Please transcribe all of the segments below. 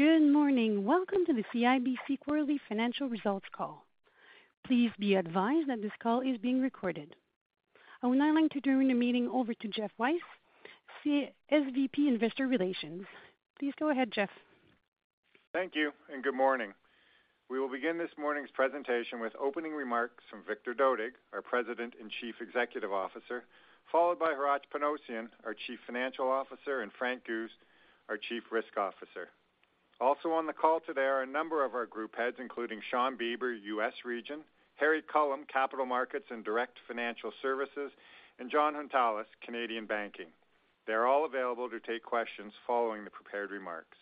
Good morning. Welcome to the CIBC Quarterly Financial Results Call. Please be advised that this call is being recorded. I would now like to turn the meeting over to Geoff Weiss, SVP, Investor Relations. Please go ahead, Geoff. Thank you, and good morning. We will begin this morning's presentation with opening remarks from Victor Dodig, our President and Chief Executive Officer, followed by Hratch Panossian, our Chief Financial Officer, and Frank Guse, our Chief Risk Officer. Also on the call today are a number of our group heads, including Shawn Beber, U.S. Region, Harry Culham, Capital Markets and Direct Financial Services, and Jon Hountalas, Canadian Banking. They're all available to take questions following the prepared remarks.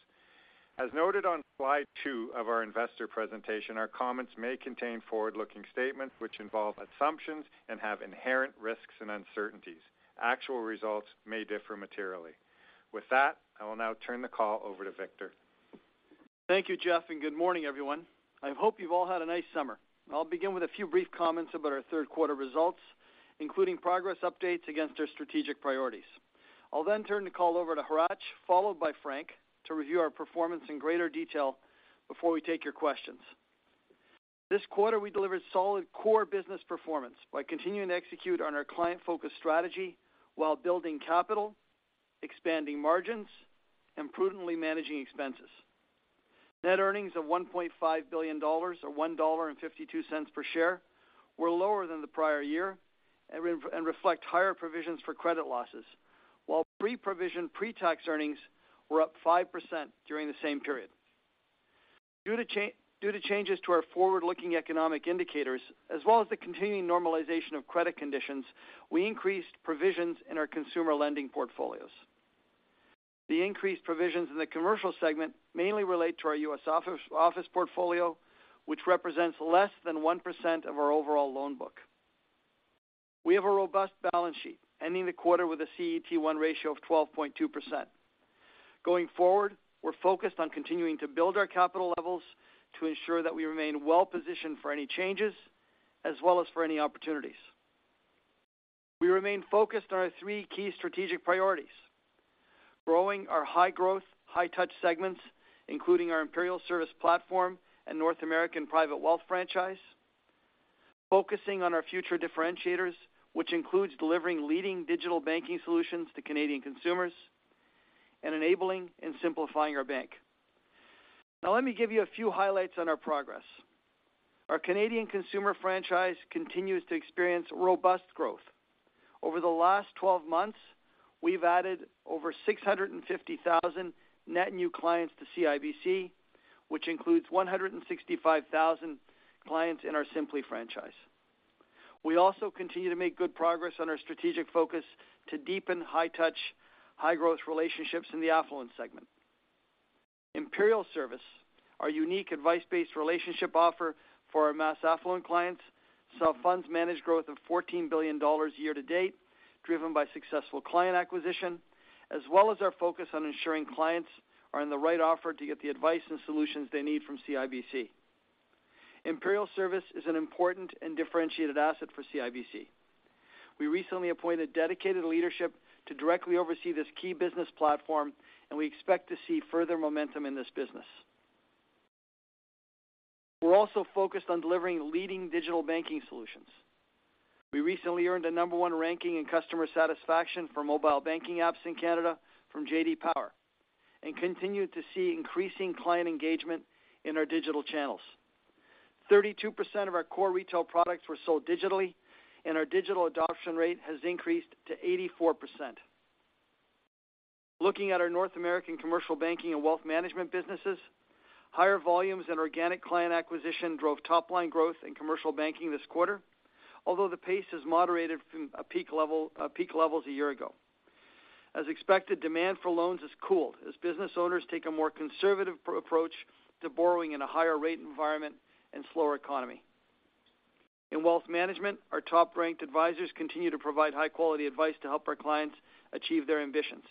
As noted on Slide 2 of our investor presentation, our comments may contain forward-looking statements, which involve assumptions and have inherent risks and uncertainties. Actual results may differ materially. With that, I will now turn the call over to Victor. Thank you, Geoff, and Good morning, everyone. I hope you've all had a nice summer. I'll begin with a few brief comments about our third quarter results, including progress updates against our strategic priorities. I'll then turn the call over to Hratch, followed by Frank, to review our performance in greater detail before we take your questions. This quarter, we delivered solid core business performance by continuing to execute on our client-focused strategy while building capital, expanding margins, and prudently managing expenses. Net earnings of 1.5 billion dollars, or 1.52 dollar per share, were lower than the prior year and reflect higher provisions for credit losses, while pre-provision, pre-tax earnings were up 5% during the same period. Due to changes to our forward-looking economic indicators, as well as the continuing normalization of credit conditions, we increased provisions in our consumer lending portfolios. The increased provisions in the commercial segment mainly relate to our U.S. office office portfolio, which represents less than 1% of our overall loan book. We have a robust balance sheet, ending the quarter with a CET1 ratio of 12.2%. Going forward, we're focused on continuing to build our capital levels to ensure that we remain well-positioned for any changes, as well as for any opportunities. We remain focused on our three key strategic priorities: growing our high-growth, high-touch segments, including our Imperial Service platform and North American Private Wealth franchise, focusing on our future differentiators, which includes delivering leading digital banking solutions to Canadian consumers, and enabling and simplifying our bank. Now, let me give you a few highlights on our progress. Our Canadian consumer franchise continues to experience robust growth. Over the last 12 months, we've added over 650,000 net new clients to CIBC, which includes 165,000 clients in our Simplii franchise. We also continue to make good progress on our strategic focus to deepen high-touch, high-growth relationships in the affluent segment. Imperial Service, our unique advice-based relationship offer for our mass affluent clients, saw funds managed growth of 14 billion dollars year to date, driven by successful client acquisition, as well as our focus on ensuring clients are in the right offer to get the advice and solutions they need from CIBC. Imperial Service is an important and differentiated asset for CIBC. We recently appointed dedicated leadership to directly oversee this key business platform, and we expect to see further momentum in this business. We're also focused on delivering leading digital banking solutions. We recently earned a number one ranking in customer satisfaction for mobile banking apps in Canada from J.D. Power, and continued to see increasing client engagement in our digital channels. 32% of our core retail products were sold digitally, and our digital adoption rate has increased to 84%. Looking at our North American commercial banking and wealth management businesses, higher volumes and organic client acquisition drove top-line growth in commercial banking this quarter, although the pace has moderated from peak levels a year ago. As expected, demand for loans has cooled as business owners take a more conservative approach to borrowing in a higher rate environment and slower economy. In Wealth Management, our top-ranked advisors continue to provide high-quality advice to help our clients achieve their ambitions.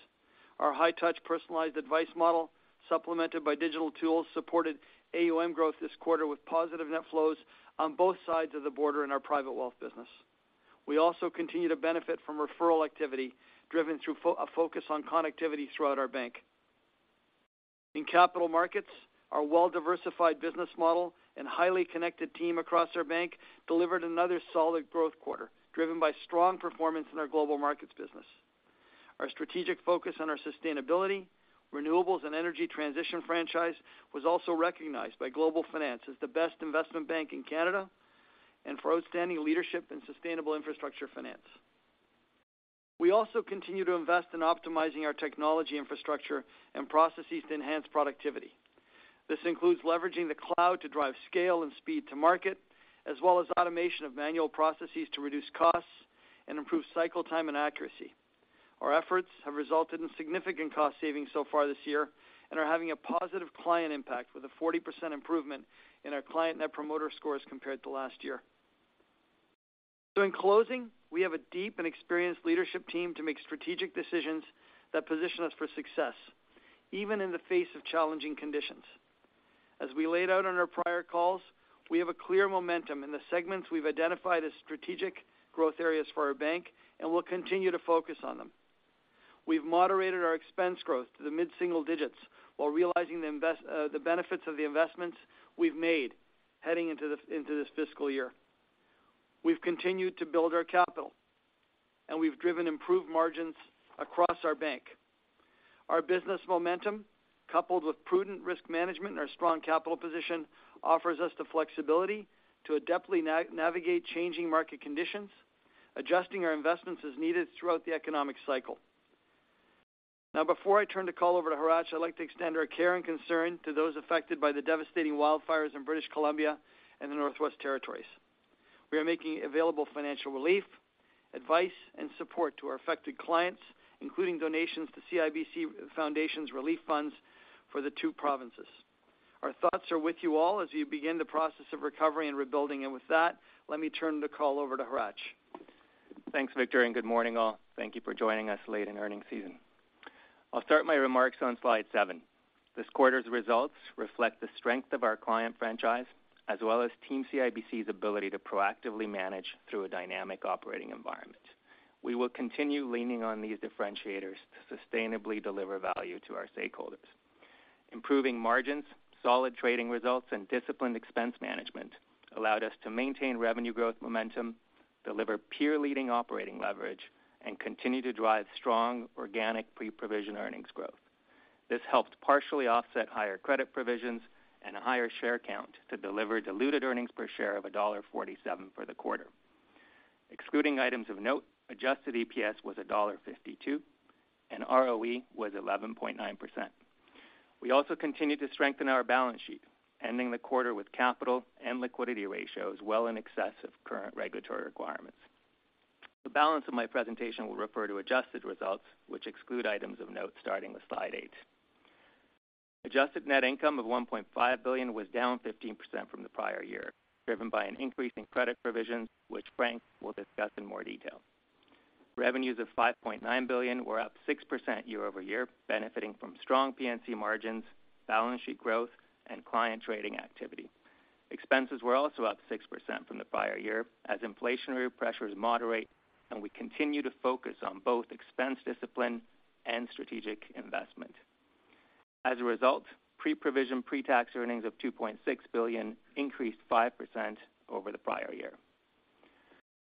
Our high-touch, personalized advice model, supplemented by digital tools, supported AUM growth this quarter, with positive net flows on both sides of the border in our private wealth business. We also continue to benefit from referral activity, driven through a focus on connectivity throughout our bank. In Capital Markets, our well-diversified business model and highly connected team across our bank delivered another solid growth quarter, driven by strong performance in our Global Markets business. Our strategic focus on our sustainability, renewables, and energy transition franchise was also recognized by Global Finance as the best investment bank in Canada and for outstanding leadership in sustainable infrastructure finance. We also continue to invest in optimizing our technology, infrastructure, and processes to enhance productivity. This includes leveraging the cloud to drive scale and speed to market, as well as automation of manual processes to reduce costs and improve cycle time and accuracy. Our efforts have resulted in significant cost savings so far this year and are having a positive client impact, with a 40% improvement in our client Net Promoter scores compared to last year. So in closing, we have a deep and experienced leadership team to make strategic decisions that position U.S. for success, even in the face of challenging conditions, as we laid out on our prior calls, we have a clear momentum in the segments we've identified as strategic growth areas for our bank, and we'll continue to focus on them. We've moderated our expense growth to the mid-single digits while realizing the benefits of the investments we've made heading into this, into this fiscal year. We've continued to build our capital, and we've driven improved margins across our bank. Our business momentum, coupled with prudent risk management and our strong capital position, offers us the flexibility to adeptly navigate changing market conditions, adjusting our investments as needed throughout the economic cycle. Now, before I turn the call over to Hratch, I'd like to extend our care and concern to those affected by the devastating wildfires in British Columbia and the Northwest Territories. We are making available financial relief, advice, and support to our affected clients, including donations to CIBC Foundation's relief funds for the two provinces. Our thoughts are with you all as you begin the process of recovery and rebuilding. And with that, let me turn the call over to Hratch. Thanks, Victor, and good morning, all. Thank you for joining us late in earning season. I'll start my remarks on Slide 7. This quarter's results reflect the strength of our client franchise, as well as Team CIBC's ability to proactively manage through a dynamic operating environment. We will continue leaning on these differentiators to sustainably deliver value to our stakeholders. Improving margins, solid trading results, and disciplined expense management allowed us to maintain revenue growth momentum, deliver peer-leading operating leverage, and continue to drive strong organic pre-provision earnings growth. This helped partially offset higher credit provisions and a higher share count to deliver diluted earnings per share of dollar 1.47 for the quarter. Excluding items of note, Adjusted EPS was dollar 1.52, and ROE was 11.9%. We also continued to strengthen our balance sheet, ending the quarter with capital and liquidity ratios well in excess of current regulatory requirements. The balance of my presentation will refer to adjusted results, which exclude items of note starting with Slide 8. Adjusted Net Income of 1.5 billion was down 15% from the prior year, driven by an increase in credit provisions, which Frank will discuss in more detail. Revenues of 5.9 billion were up 6% year-over-year, benefiting from strong P&C margins, balance sheet growth, and client trading activity. Expenses were also up 6% from the prior year, as inflationary pressures moderate, and we continue to focus on both expense discipline and strategic investment. As a result, pre-provision, pre-tax earnings of 2.6 billion increased 5% over the prior year.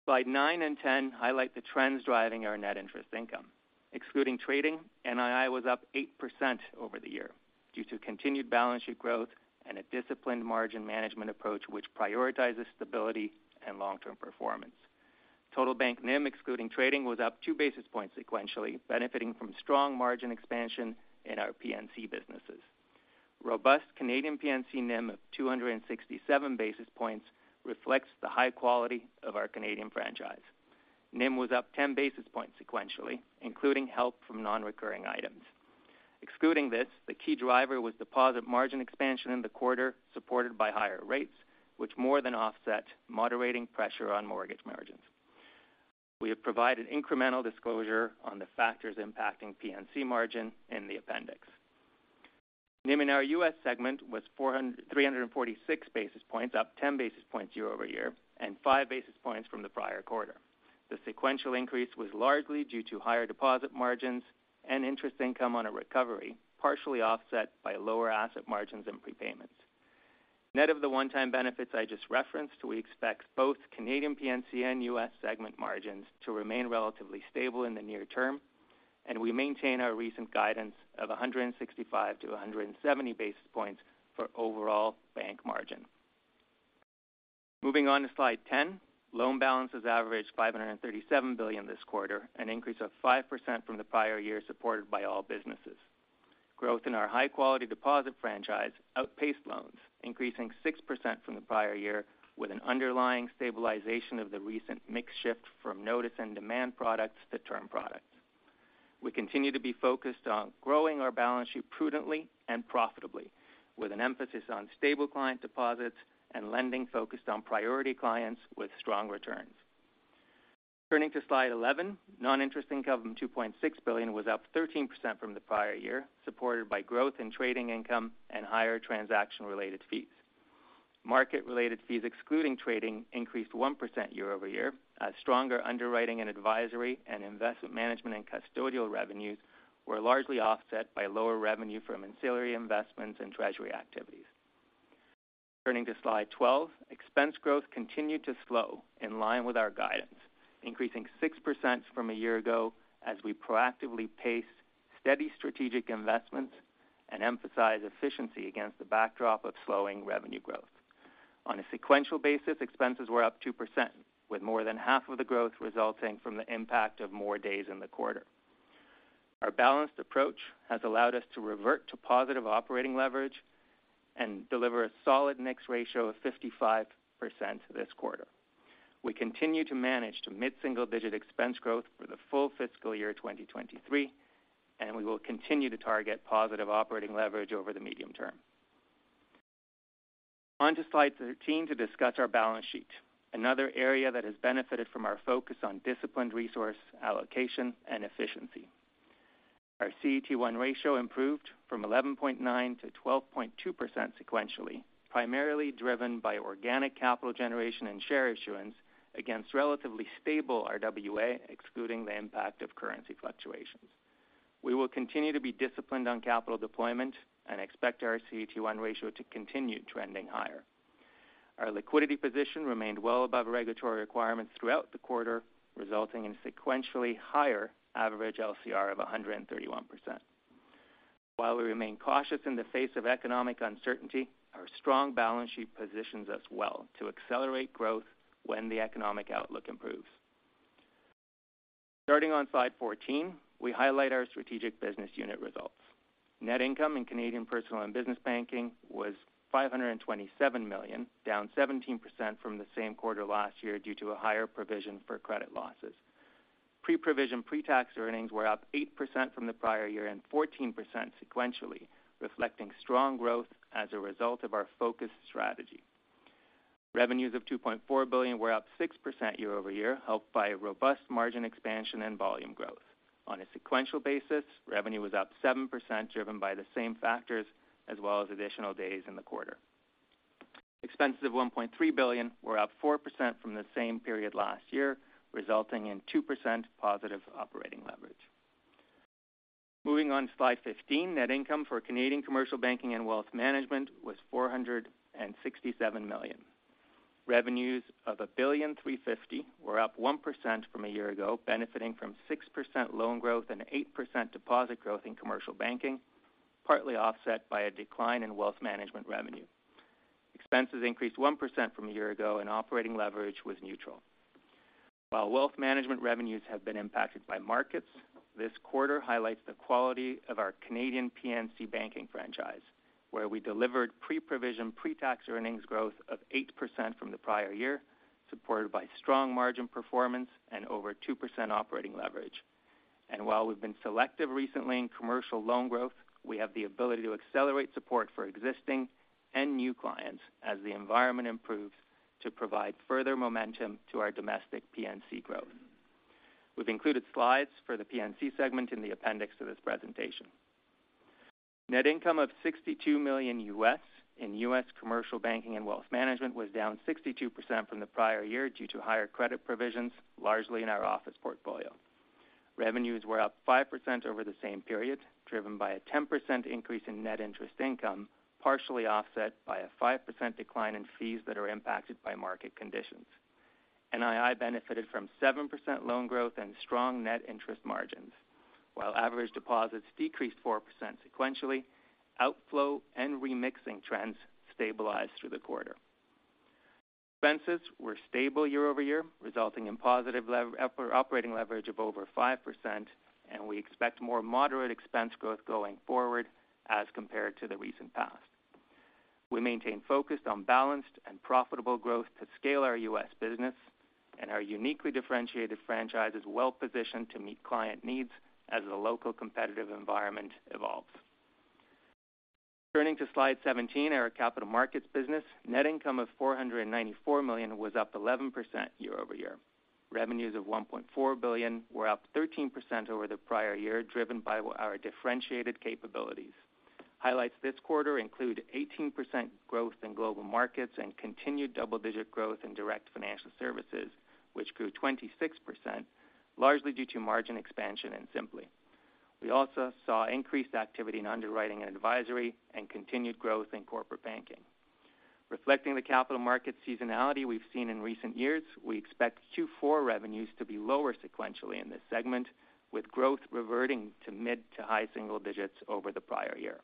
Slide 9 and 10 highlight the trends driving our net interest income. Excluding trading, NII was up 8% over the year due to continued balance sheet growth and a disciplined margin management approach, which prioritizes stability and long-term performance. Total bank NIM, excluding trading, was up 2 basis points sequentially, benefiting from strong margin expansion in our P&C businesses. Robust Canadian P&C NIM of 267 basis points reflects the high quality of our Canadian franchise. NIM was up 10 basis points sequentially, including help from non-recurring items. Excluding this, the key driver was deposit margin expansion in the quarter, supported by higher rates, which more than offset moderating pressure on mortgage margins. We have provided incremental disclosure on the factors impacting P&C margin in the appendix. NIM in our U.S. segment was 346 basis points, up 10 basis points year-over-year, and 5 basis points from the prior quarter. The sequential increase was largely due to higher deposit margins and interest income on a recovery, partially offset by lower asset margins and prepayments. Net of the one-time benefits I just referenced, we expect both Canadian P&C and U.S. segment margins to remain relatively stable in the near term, and we maintain our recent guidance of 165-170 basis points for overall bank margin. Moving on to Slide 10, loan balances averaged 537 billion this quarter, an increase of 5% from the prior year, supported by all businesses. Growth in our high-quality deposit franchise outpaced loans, increasing 6% from the prior year, with an underlying stabilization of the recent mix shift from notice and demand products to term products. We continue to be focused on growing our balance sheet prudently and profitably, with an emphasis on stable client deposits and lending focused on priority clients with strong returns. Turning to Slide 11, non-interest income of 2.6 billion was up 13% from the prior year, supported by growth in trading income and higher transaction-related fees. Market-related fees, excluding trading, increased 1% year-over-year, as stronger underwriting and advisory and investment management and custodial revenues were largely offset by lower revenue from ancillary investments and treasury activities. Turning to Slide 12, expense growth continued to slow in line with our guidance, increasing 6% from a year ago, as we proactively pace steady strategic investments and emphasize efficiency against the backdrop of slowing revenue growth. On a sequential basis, expenses were up 2%, with more than half of the growth resulting from the impact of more days in the quarter. Our balanced approach has allowed us to revert to positive operating leverage and deliver a solid mix ratio of 55% this quarter. We continue to manage to mid-single-digit expense growth for the full fiscal year 2023, and we will continue to target positive operating leverage over the medium term. On to Slide 13 to discuss our balance sheet, another area that has benefited from our focus on disciplined resource allocation and efficiency. Our CET1 ratio improved from 11.9%-12.2% sequentially, primarily driven by organic capital generation and share issuance against relatively stable RWA, excluding the impact of currency fluctuations. We will continue to be disciplined on capital deployment and expect our CET1 ratio to continue trending higher. Our liquidity position remained well above regulatory requirements throughout the quarter, resulting in sequentially higher average LCR of 131%. While we remain cautious in the face of economic uncertainty, our strong balance sheet positions us well to accelerate growth when the economic outlook improves. Starting on Slide 14, we highlight our strategic business unit results. Net income in Canadian Personal and Business Banking was 527 million, down 17% from the same quarter last year due to a higher provision for credit losses. Pre-provision, pre-tax earnings were up 8% from the prior year and 14% sequentially, reflecting strong growth as a result of our focused strategy. Revenues of CAD 2.4 billion were up 6% year-over-year, helped by a robust margin expansion and volume growth. On a sequential basis, revenue was up 7%, driven by the same factors as well as additional days in the quarter. Expenses of 1.3 billion were up 4% from the same period last year, resulting in 2% positive operating leverage. Moving on to Slide 15, net income for Canadian Commercial Banking and Wealth Management was 467 million. Revenues of 1.35 billion were up 1% from a year ago, benefiting from 6% loan growth and 8% deposit growth in commercial banking, partly offset by a decline in wealth management revenue. Expenses increased 1% from a year ago, and operating leverage was neutral. While wealth management revenues have been impacted by markets, this quarter highlights the quality of our Canadian P&C banking franchise, where we delivered pre-provision, pre-tax earnings growth of 8% from the prior year, supported by strong margin performance and over 2% operating leverage. While we've been selective recently in commercial loan growth, we have the ability to accelerate support for existing and new clients as the environment improves to provide further momentum to our domestic P&C growth. We've included slides for the P&C segment in the appendix to this presentation. Net income of $62 million in U.S. Commercial Banking and Wealth Management was down 62% from the prior year due to higher credit provisions, largely in our office portfolio. Revenues were up 5% over the same period, driven by a 10% increase in net interest income, partially offset by a 5% decline in fees that are impacted by market conditions. NII benefited from 7% loan growth and strong net interest margins. While average deposits decreased 4% sequentially, outflow and remixing trends stabilized through the quarter. Expenses were stable year-over-year, resulting in positive leverage of over 5%, and we expect more moderate expense growth going forward as compared to the recent past. We maintain focus on balanced and profitable growth to scale our U.S. business, and our uniquely differentiated franchise is well positioned to meet client needs as the local competitive environment evolves. Turning to Slide 17, our Capital Markets business, net income of 494 million was up 11% year-over-year. Revenues of 1.4 billion were up 13% over the prior year, driven by our differentiated capabilities. Highlights this quarter include 18% growth in Global Markets and continued double-digit growth in Direct Financial Services, which grew 26%, largely due to margin expansion and Simplii. We also saw increased activity in underwriting and advisory and continued growth in corporate banking. Reflecting the capital market seasonality we've seen in recent years, we expect Q4 revenues to be lower sequentially in this segment, with growth reverting to mid to high single digits over the prior year.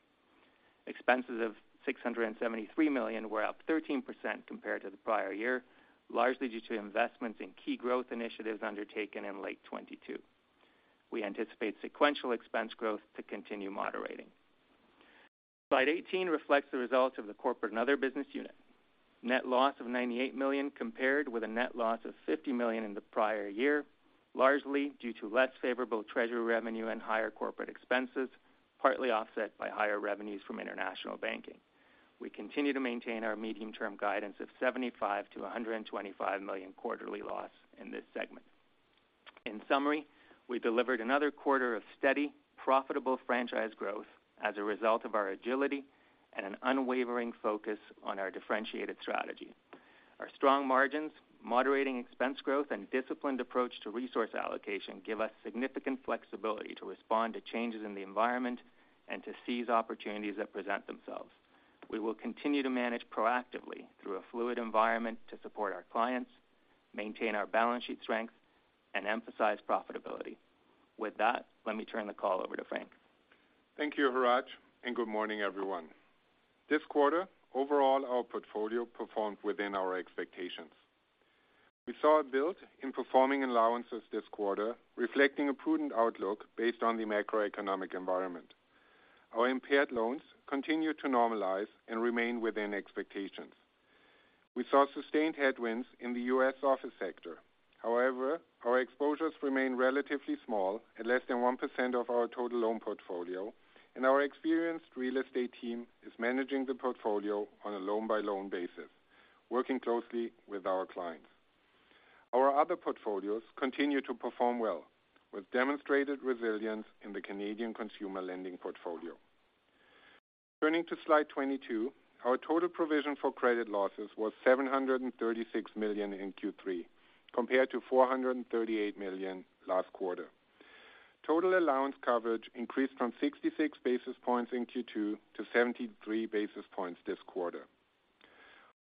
Expenses of 673 million were up 13% compared to the prior year, largely due to investments in key growth initiatives undertaken in late 2022. We anticipate sequential expense growth to continue moderating. Slide 18 reflects the results of the Corporate and Other business unit. Net loss of 98 million compared with a net loss of 50 million in the prior year, largely due to less favorable treasury revenue and higher corporate expenses, partly offset by higher revenues from international banking. We continue to maintain our medium-term guidance of 75 million-125 million quarterly loss in this segment. In summary, we delivered another quarter of steady, profitable franchise growth as a result of our agility and an unwavering focus on our differentiated strategy. Our strong margins, moderating expense growth, and disciplined approach to resource allocation give us significant flexibility to respond to changes in the environment and to seize opportunities that present themselves. We will continue to manage proactively through a fluid environment to support our clients, maintain our balance sheet strength, and emphasize profitability. With that, let me turn the call over to Frank. Thank you, Hratch, and good morning, everyone. This quarter, overall, our portfolio performed within our expectations. We saw a build in performing allowances this quarter, reflecting a prudent outlook based on the macroeconomic environment. Our impaired loans continued to normalize and remain within expectations. We saw sustained headwinds in the U.S. office sector. However, our exposures remain relatively small, at less than 1% of our total loan portfolio, and our experienced real estate team is managing the portfolio on a loan-by-loan basis, working closely with our clients. Our other portfolios continue to perform well, with demonstrated resilience in the Canadian consumer lending portfolio. Turning to Slide 22, our total provision for credit losses was 736 million in Q3, compared to 438 million last quarter. Total allowance coverage increased from 66 basis points in Q2 to 73 basis points this quarter.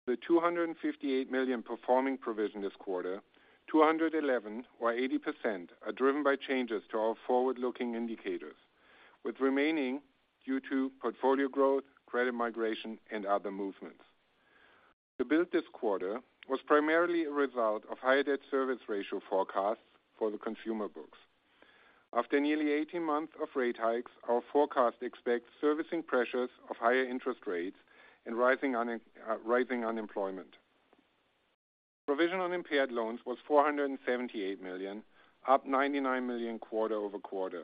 The 258 million performing provision this quarter, 211, or 80%, are driven by changes to our forward-looking indicators, with remaining due to portfolio growth, credit migration, and other movements. The build this quarter was primarily a result of higher debt service ratio forecasts for the consumer books. After nearly 18 months of rate hikes, our forecast expects servicing pressures of higher interest rates and rising unemployment. Provision on impaired loans was 478 million, up 99 million quarter-over-quarter.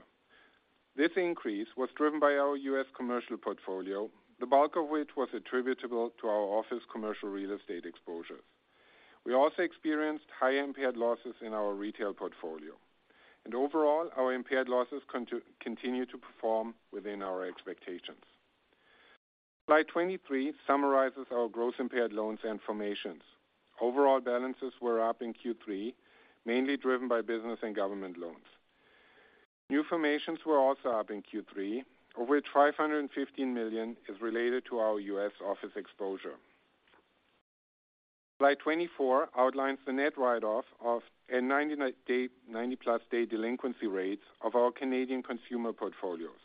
This increase was driven by our U.S. commercial portfolio, the bulk of which was attributable to our office commercial real estate exposures. We also experienced high impaired losses in our retail portfolio, and overall, our impaired losses continue to perform within our expectations. Slide 23 summarizes our gross impaired loans and formations. Overall balances were up in Q3, mainly driven by business and government loans. New formations were also up in Q3, over $515 million is related to our U.S. office exposure. Slide 24 outlines the net write-offs and 90-day past due, 90-plus day delinquency rates of our Canadian consumer portfolios,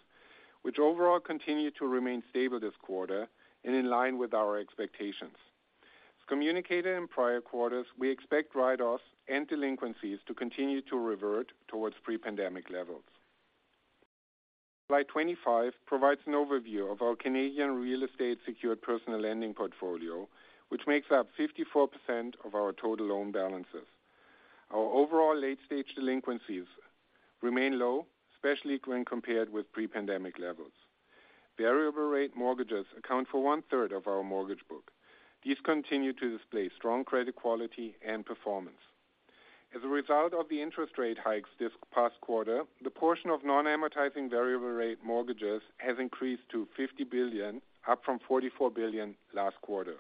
which overall continued to remain stable this quarter and in line with our expectations. As communicated in prior quarters, we expect write-offs and delinquencies to continue to revert towards pre-pandemic levels. Slide 25 provides an overview of our Canadian real estate-secured personal lending portfolio, which makes up 54% of our total loan balances. Our overall late-stage delinquencies remain low, especially when compared with pre-pandemic levels. Variable rate mortgages account for 1/3 of our mortgage book. These continue to display strong credit quality and performance. As a result of the interest rate hikes this past quarter, the portion of non-amortizing variable rate mortgages has increased to 50 billion, up from 44 billion last quarter.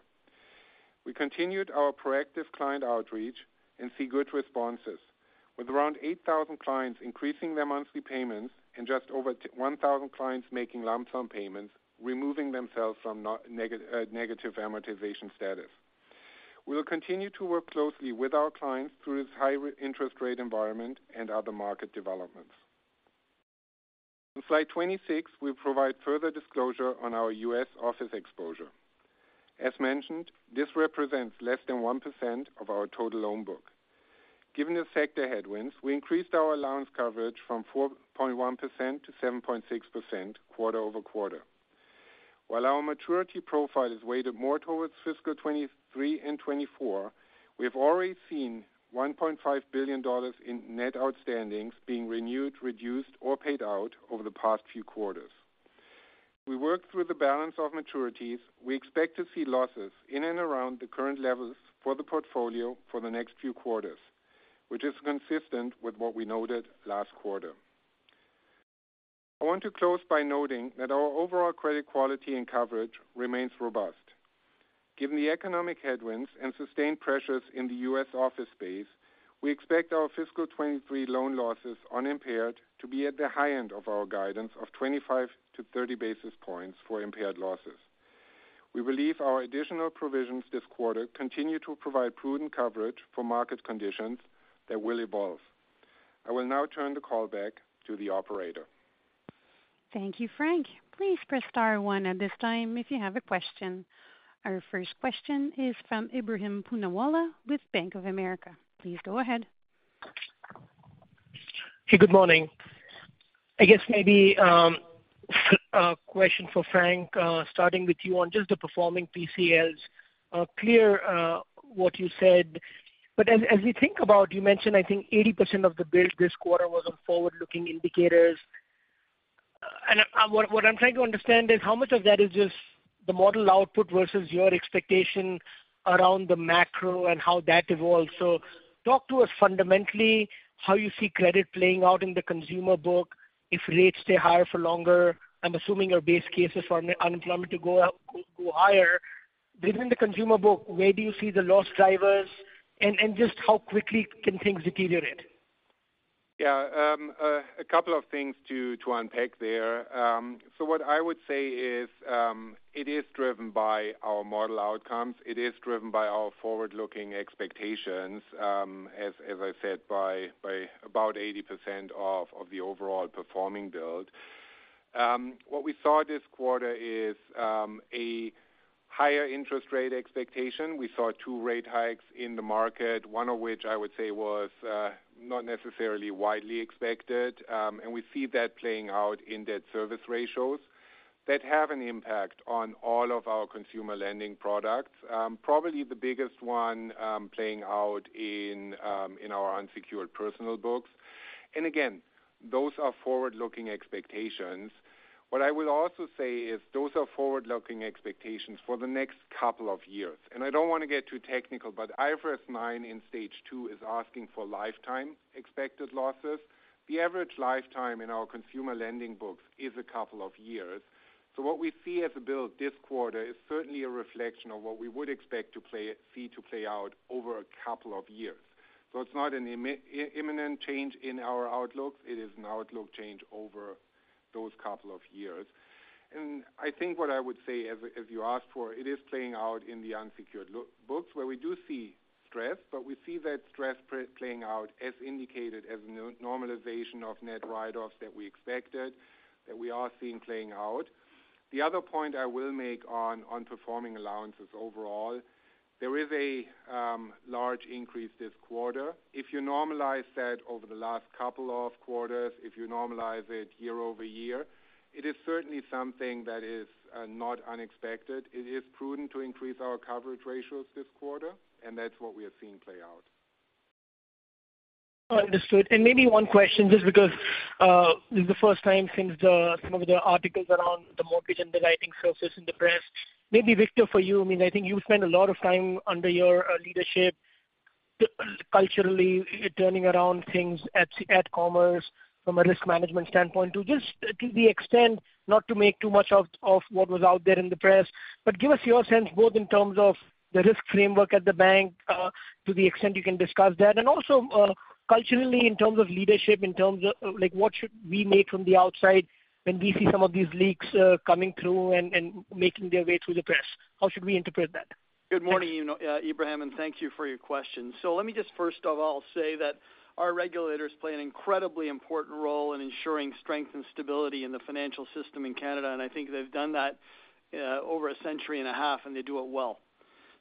We continued our proactive client outreach and see good responses, with around 8,000 clients increasing their monthly payments and just over 1,000 clients making lump sum payments, removing themselves from negative amortization status. We will continue to work closely with our clients through this high interest rate environment and other market developments. On Slide 26, we provide further disclosure on our U.S. office exposure. As mentioned, this represents less than 1% of our total loan book. Given the sector headwinds, we increased our allowance coverage from 4.1%-7.6% quarter-over-quarter. While our maturity profile is weighted more towards fiscal 2023 and 2024, we have already seen $1.5 billion in net outstandings being renewed, reduced, or paid out over the past few quarters. We worked through the balance of maturities. We expect to see losses in and around the current levels for the portfolio for the next few quarters, which is consistent with what we noted last quarter. I want to close by noting that our overall credit quality and coverage remains robust. Given the economic headwinds and sustained pressures in the US office space, we expect our fiscal 2023 loan losses on impaired to be at the high end of our guidance of 25-30 basis points for impaired losses. We believe our additional provisions this quarter continue to provide prudent coverage for market conditions that will evolve. I will now turn the call back to the operator. Thank you, Frank. Please press star one at this time if you have a question. Our first question is from Ebrahim Poonawala with Bank of America. Please go ahead. Hey, good morning. I guess maybe a question for Frank, starting with you on just the performing PCLs. Clear what you said, but as you think about, you mentioned, I think 80% of the build this quarter was on forward-looking indicators. And what I'm trying to understand is how much of that is just the model output versus your expectation around the macro and how that evolves? So talk to us fundamentally, how you see credit playing out in the consumer book if rates stay higher for longer. I'm assuming your base case is for unemployment to go higher. Within the consumer book, where do you see the loss drivers and just how quickly can things deteriorate? Yeah, a couple of things to unpack there. So what I would say is, it is driven by our model outcomes. It is driven by our forward-looking expectations, as I said, by about 80% of the overall performing build. What we saw this quarter is, a higher interest rate expectation. We saw two rate hikes in the market, one of which I would say was, not necessarily widely expected, and we see that playing out in debt service ratios that have an impact on all of our consumer lending products. Probably the biggest one, playing out in our unsecured personal books. And again, those are forward-looking expectations. What I will also say is those are forward-looking expectations for the next couple of years. I don't want to get too technical, but IFRS 9 in stage 2 is asking for lifetime expected losses. The average lifetime in our consumer lending books is a couple of years. So what we see as a build this quarter is certainly a reflection of what we would expect to play out over a couple of years. So it's not an imminent change in our outlook, it is an outlook change over those couple of years. I think what I would say, as you asked for, it is playing out in the unsecured loan books where we do see stress, but we see that stress playing out as indicated as normalization of net write-offs that we expected, that we are seeing playing out. The other point I will make on performing allowances overall, there is a large increase this quarter. If you normalize that over the last couple of quarters, if you normalize it year-over-year, it is certainly something that is not unexpected. It is prudent to increase our coverage ratios this quarter, and that's what we are seeing play out. Understood. Maybe one question, just because this is the first time since some of the articles around the mortgage and the underwriting services in the press. Maybe Victor, for you, I mean, I think you spent a lot of time under your leadership, culturally turning around things at CIBC's commercial from a risk management standpoint, to the extent, not to make too much of what was out there in the press, but give us your sense, both in terms of the risk framework at the bank, to the extent you can discuss that, and also, culturally, in terms of leadership, in terms of like, what should we make from the outside when we see some of these leaks, coming through and making their way through the press? How should we interpret that? Good morning, you know, Ebrahim, and thank you for your question. So let me just first of all say that our regulators play an incredibly important role in ensuring strength and stability in the financial system in Canada, and I think they've done that over a century and a half, and they do it well.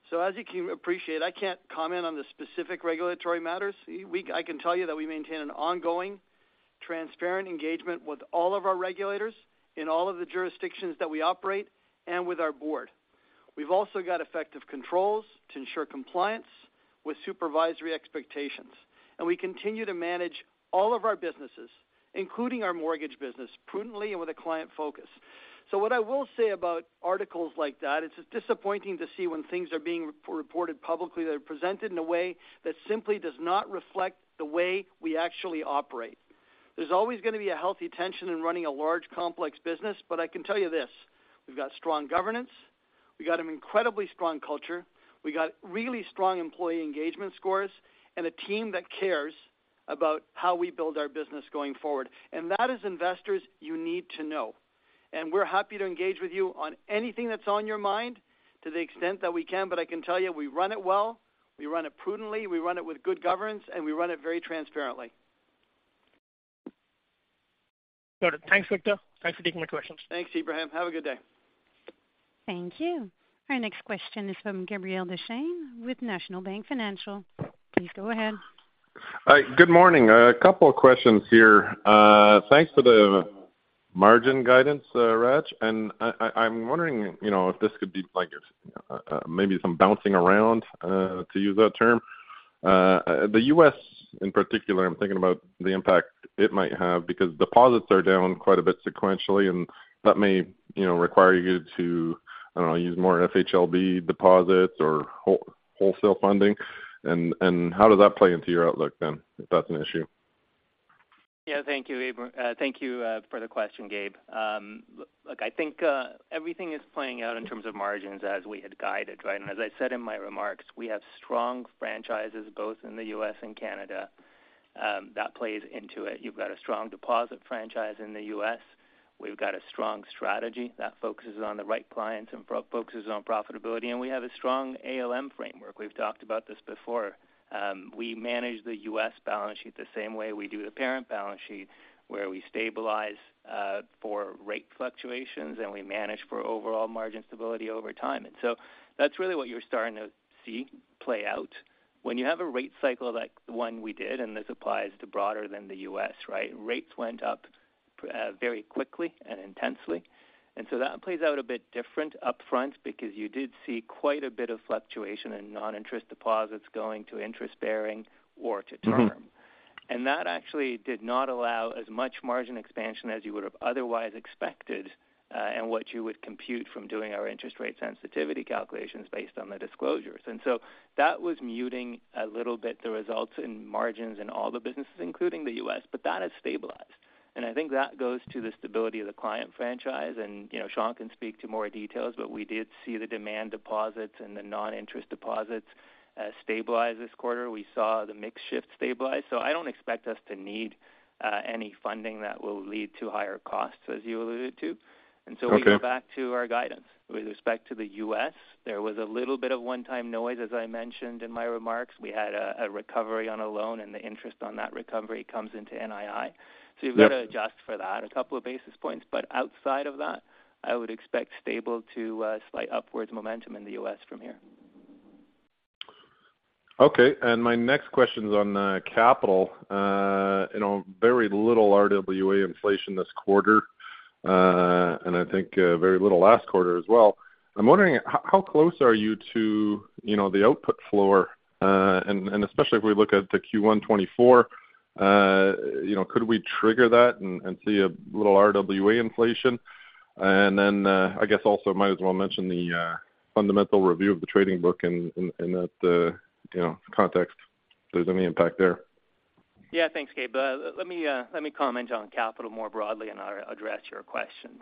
So as you can appreciate, I can't comment on the specific regulatory matters. I can tell you that we maintain an ongoing, transparent engagement with all of our regulators in all of the jurisdictions that we operate and with our board. We've also got effective controls to ensure compliance with supervisory expectations, and we continue to manage all of our businesses, including our mortgage business, prudently and with a client focus. So what I will say about articles like that, it's disappointing to see when things are being re-reported publicly, they're presented in a way that simply does not reflect the way we actually operate. There's always going to be a healthy tension in running a large, complex business, but I can tell you this: we've got strong governance, we've got an incredibly strong culture, we got really strong employee engagement scores, and a team that cares about how we build our business going forward. And that, as investors, you need to know. And we're happy to engage with you on anything that's on your mind to the extent that we can, but I can tell you, we run it well, we run it prudently, we run it with good governance, and we run it very transparently. Got it. Thanks, Victor. Thanks for taking my questions. Thanks, Ebrahim. Have a good day. Thank you. Our next question is from Gabriel Dechaine with National Bank Financial. Please go ahead. Hi, good morning. A couple of questions here. Thanks for the margin guidance, Hratch. And I'm wondering, you know, if this could be like, maybe some bouncing around, to use that term. The U.S. in particular, I'm thinking about the impact it might have, because deposits are down quite a bit sequentially, and that may, you know, require you to, I don't know, use more FHLB deposits or wholesale funding. And how does that play into your outlook then, if that's an issue? Yeah, thank you, thank you for the question, Gabe. Look, I think everything is playing out in terms of margins as we had guided, right? And as I said in my remarks, we have strong franchises, both in the U.S. and Canada. That plays into it. You've got a strong deposit franchise in the U.S. We've got a strong strategy that focuses on the right clients and focuses on profitability, and we have a strong ALM framework. We've talked about this before. We manage the U.S. balance sheet the same way we do the parent balance sheet, where we stabilize for rate fluctuations, and we manage for overall margin stability over time. And so that's really what you're starting to see play out. When you have a rate cycle like the one we did, and this applies to broader than the U.S., right? Rates went up very quickly and intensely. And so that plays out a bit different upfront because you did see quite a bit of fluctuation in non-interest deposits going to interest-bearing or to term. Mm-hmm. That actually did not allow as much margin expansion as you would have otherwise expected, and what you would compute from doing our interest rate sensitivity calculations based on the disclosures. So that was muting a little bit the results in margins in all the businesses, including the U.S., but that has stabilized. I think that goes to the stability of the client franchise, and, you know, Shawn can speak to more details, but we did see the demand deposits and the non-interest deposits stabilize this quarter. We saw the mix shift stabilize, so I don't expect us to need any funding that will lead to higher costs, as you alluded to. Okay. And so we go back to our guidance. With respect to the U.S., there was a little bit of one-time noise, as I mentioned in my remarks. We had a recovery on a loan, and the interest on that recovery comes into NII. Yep. So you've got to adjust for that, a couple of basis points, but outside of that, I would expect stable to slight upwards momentum in the U.S. from here. Okay, and my next question is on capital. You know, very little RWA inflation this quarter. And I think very little last quarter as well. I'm wondering, how close are you to, you know, the output floor? And especially if we look at the Q1 2024, you know, could we trigger that and see a little RWA inflation? And then, I guess also might as well mention the Fundamental Review of the Trading Book in that, you know, context, if there's any impact there. Yeah, thanks, Gabe. Let me, let me comment on capital more broadly and I'll address your questions.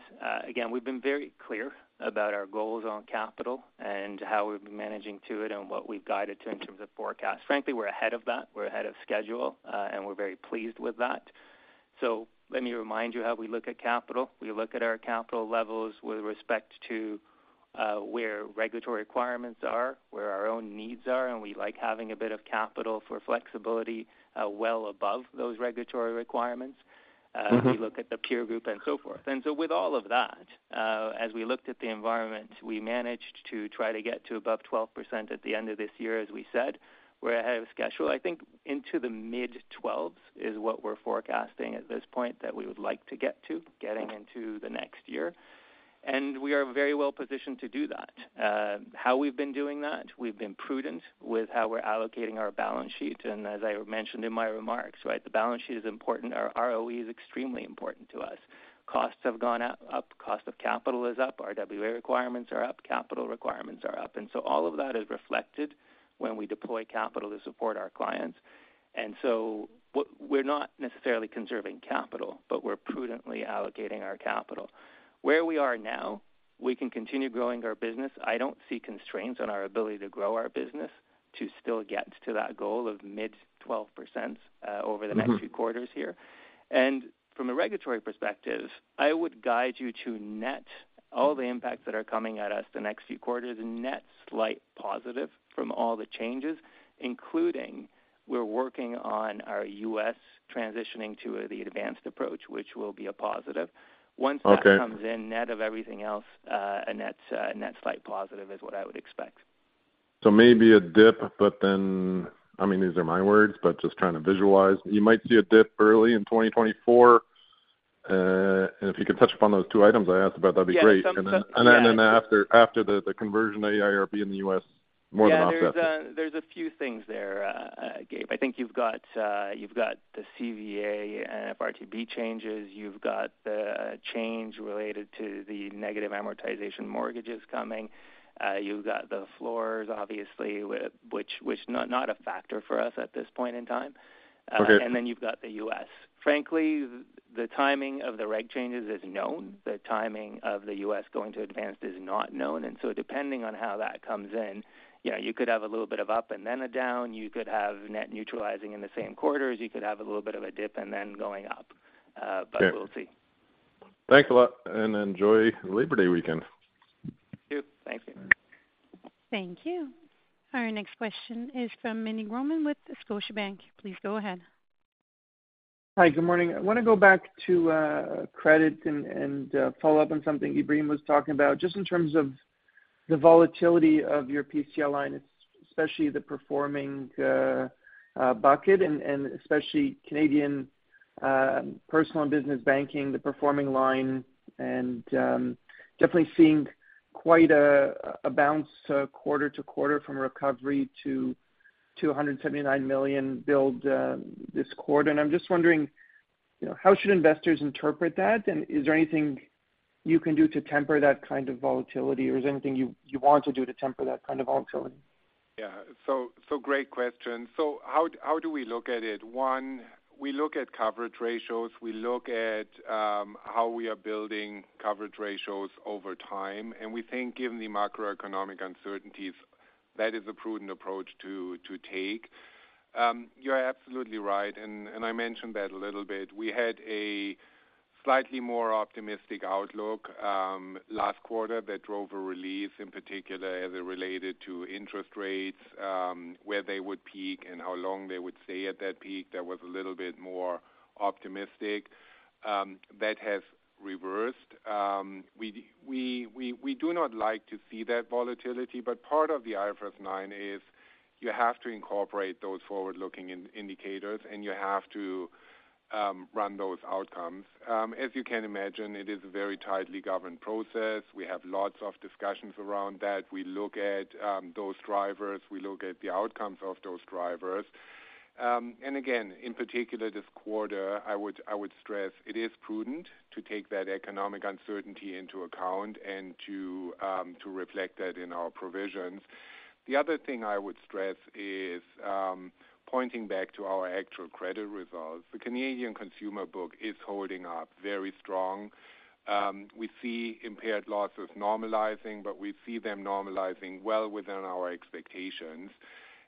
Again, we've been very clear about our goals on capital and how we've been managing to it and what we've guided to in terms of forecasts. Frankly, we're ahead of that. We're ahead of schedule, and we're very pleased with that. So let me remind you how we look at capital. We look at our capital levels with respect to where regulatory requirements are, where our own needs are, and we like having a bit of capital for flexibility, well above those regulatory requirements. Mm-hmm. We look at the peer group and so forth. And so with all of that, as we looked at the environment, we managed to try to get to above 12% at the end of this year, as we said. We're ahead of schedule. I think into the mid-12s is what we're forecasting at this point, that we would like to get to, getting into the next year, and we are very well positioned to do that. How we've been doing that? We've been prudent with how we're allocating our balance sheet, and as I mentioned in my remarks, right, the balance sheet is important. Our ROE is extremely important to us. Costs have gone up, up, cost of capital is up, RWA requirements are up, capital requirements are up, and so all of that is reflected when we deploy capital to support our clients. We're not necessarily conserving capital, but we're prudently allocating our capital. Where we are now, we can continue growing our business. I don't see constraints on our ability to grow our business to still get to that goal of mid-12%, over the- Mm-hmm Next few quarters here. From a regulatory perspective, I would guide you to net all the impacts that are coming at us the next few quarters, net slight positive from all the changes, including we're working on our U.S. transitioning to the advanced approach, which will be a positive. Okay. Once that comes in, net of everything else, a net, net slight positive is what I would expect. Maybe a dip, but then, I mean, these are my words, but just trying to visualize. You might see a dip early in 2024, and if you could touch upon those two items I asked about, that'd be great. Yeah, so- And then, after the conversion of AIRB in the U.S., more than offsetting. Yeah, there's a few things there, Gabe. I think you've got the CVA and FRTB changes. You've got the change related to the negative amortization mortgages coming. You've got the floors, obviously, which is not a factor for us at this point in time. Okay. And then you've got the U.S. Frankly, the timing of the reg changes is known. The timing of the U.S. going to advanced is not known, and so depending on how that comes in, yeah, you could have a little bit of up and then a down, you could have net neutralizing in the same quarters, you could have a little bit of a dip and then going up. Okay. But we'll see. Thanks a lot, and enjoy Labour Day weekend. You too. Thank you. Thank you. Our next question is from Meny Grauman with Scotiabank. Please go ahead. Hi, good morning. I want to go back to credit and follow up on something Ebrahim was talking about, just in terms of the volatility of your PCL line, especially the performing bucket, and especially Canadian Personal and Business Banking, the performing line, and definitely seeing quite a bounce quarter to quarter from recovery to 179 million build this quarter. And I'm just wondering, you know, how should investors interpret that? And is there anything you can do to temper that kind of volatility, or is there anything you want to do to temper that kind of volatility? Yeah, great question. So how do we look at it? One, we look at coverage ratios. We look at how we are building coverage ratios over time, and we think given the macroeconomic uncertainties, that is a prudent approach to take. You're absolutely right, and I mentioned that a little bit. We had a slightly more optimistic outlook last quarter that drove a release, in particular, as it related to interest rates, where they would peak and how long they would stay at that peak. That was a little bit more optimistic. That has reversed. We do not like to see that volatility, but part of the IFRS 9 is you have to incorporate those forward-looking indicators, and you have to run those outcomes. As you can imagine, it is a very tightly governed process. We have lots of discussions around that. We look at those drivers, we look at the outcomes of those drivers. And again, in particular, this quarter, I would stress it is prudent to take that economic uncertainty into account and to reflect that in our provisions. The other thing I would stress is pointing back to our actual credit results. The Canadian consumer book is holding up very strong. We see impaired losses normalizing, but we see them normalizing well within our expectations.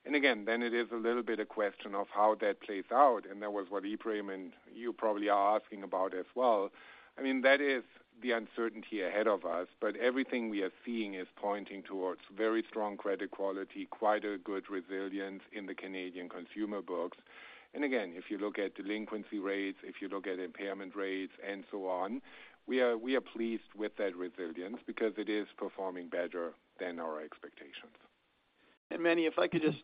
And again, then it is a little bit a question of how that plays out, and that was what Ebrahim and you probably are asking about as well. I mean, that is the uncertainty ahead of us, but everything we are seeing is pointing towards very strong credit quality, quite a good resilience in the Canadian consumer books. And again, if you look at delinquency rates, if you look at impairment rates, and so on, we are, we are pleased with that resilience because it is performing better than our expectations. And Meny, if I could just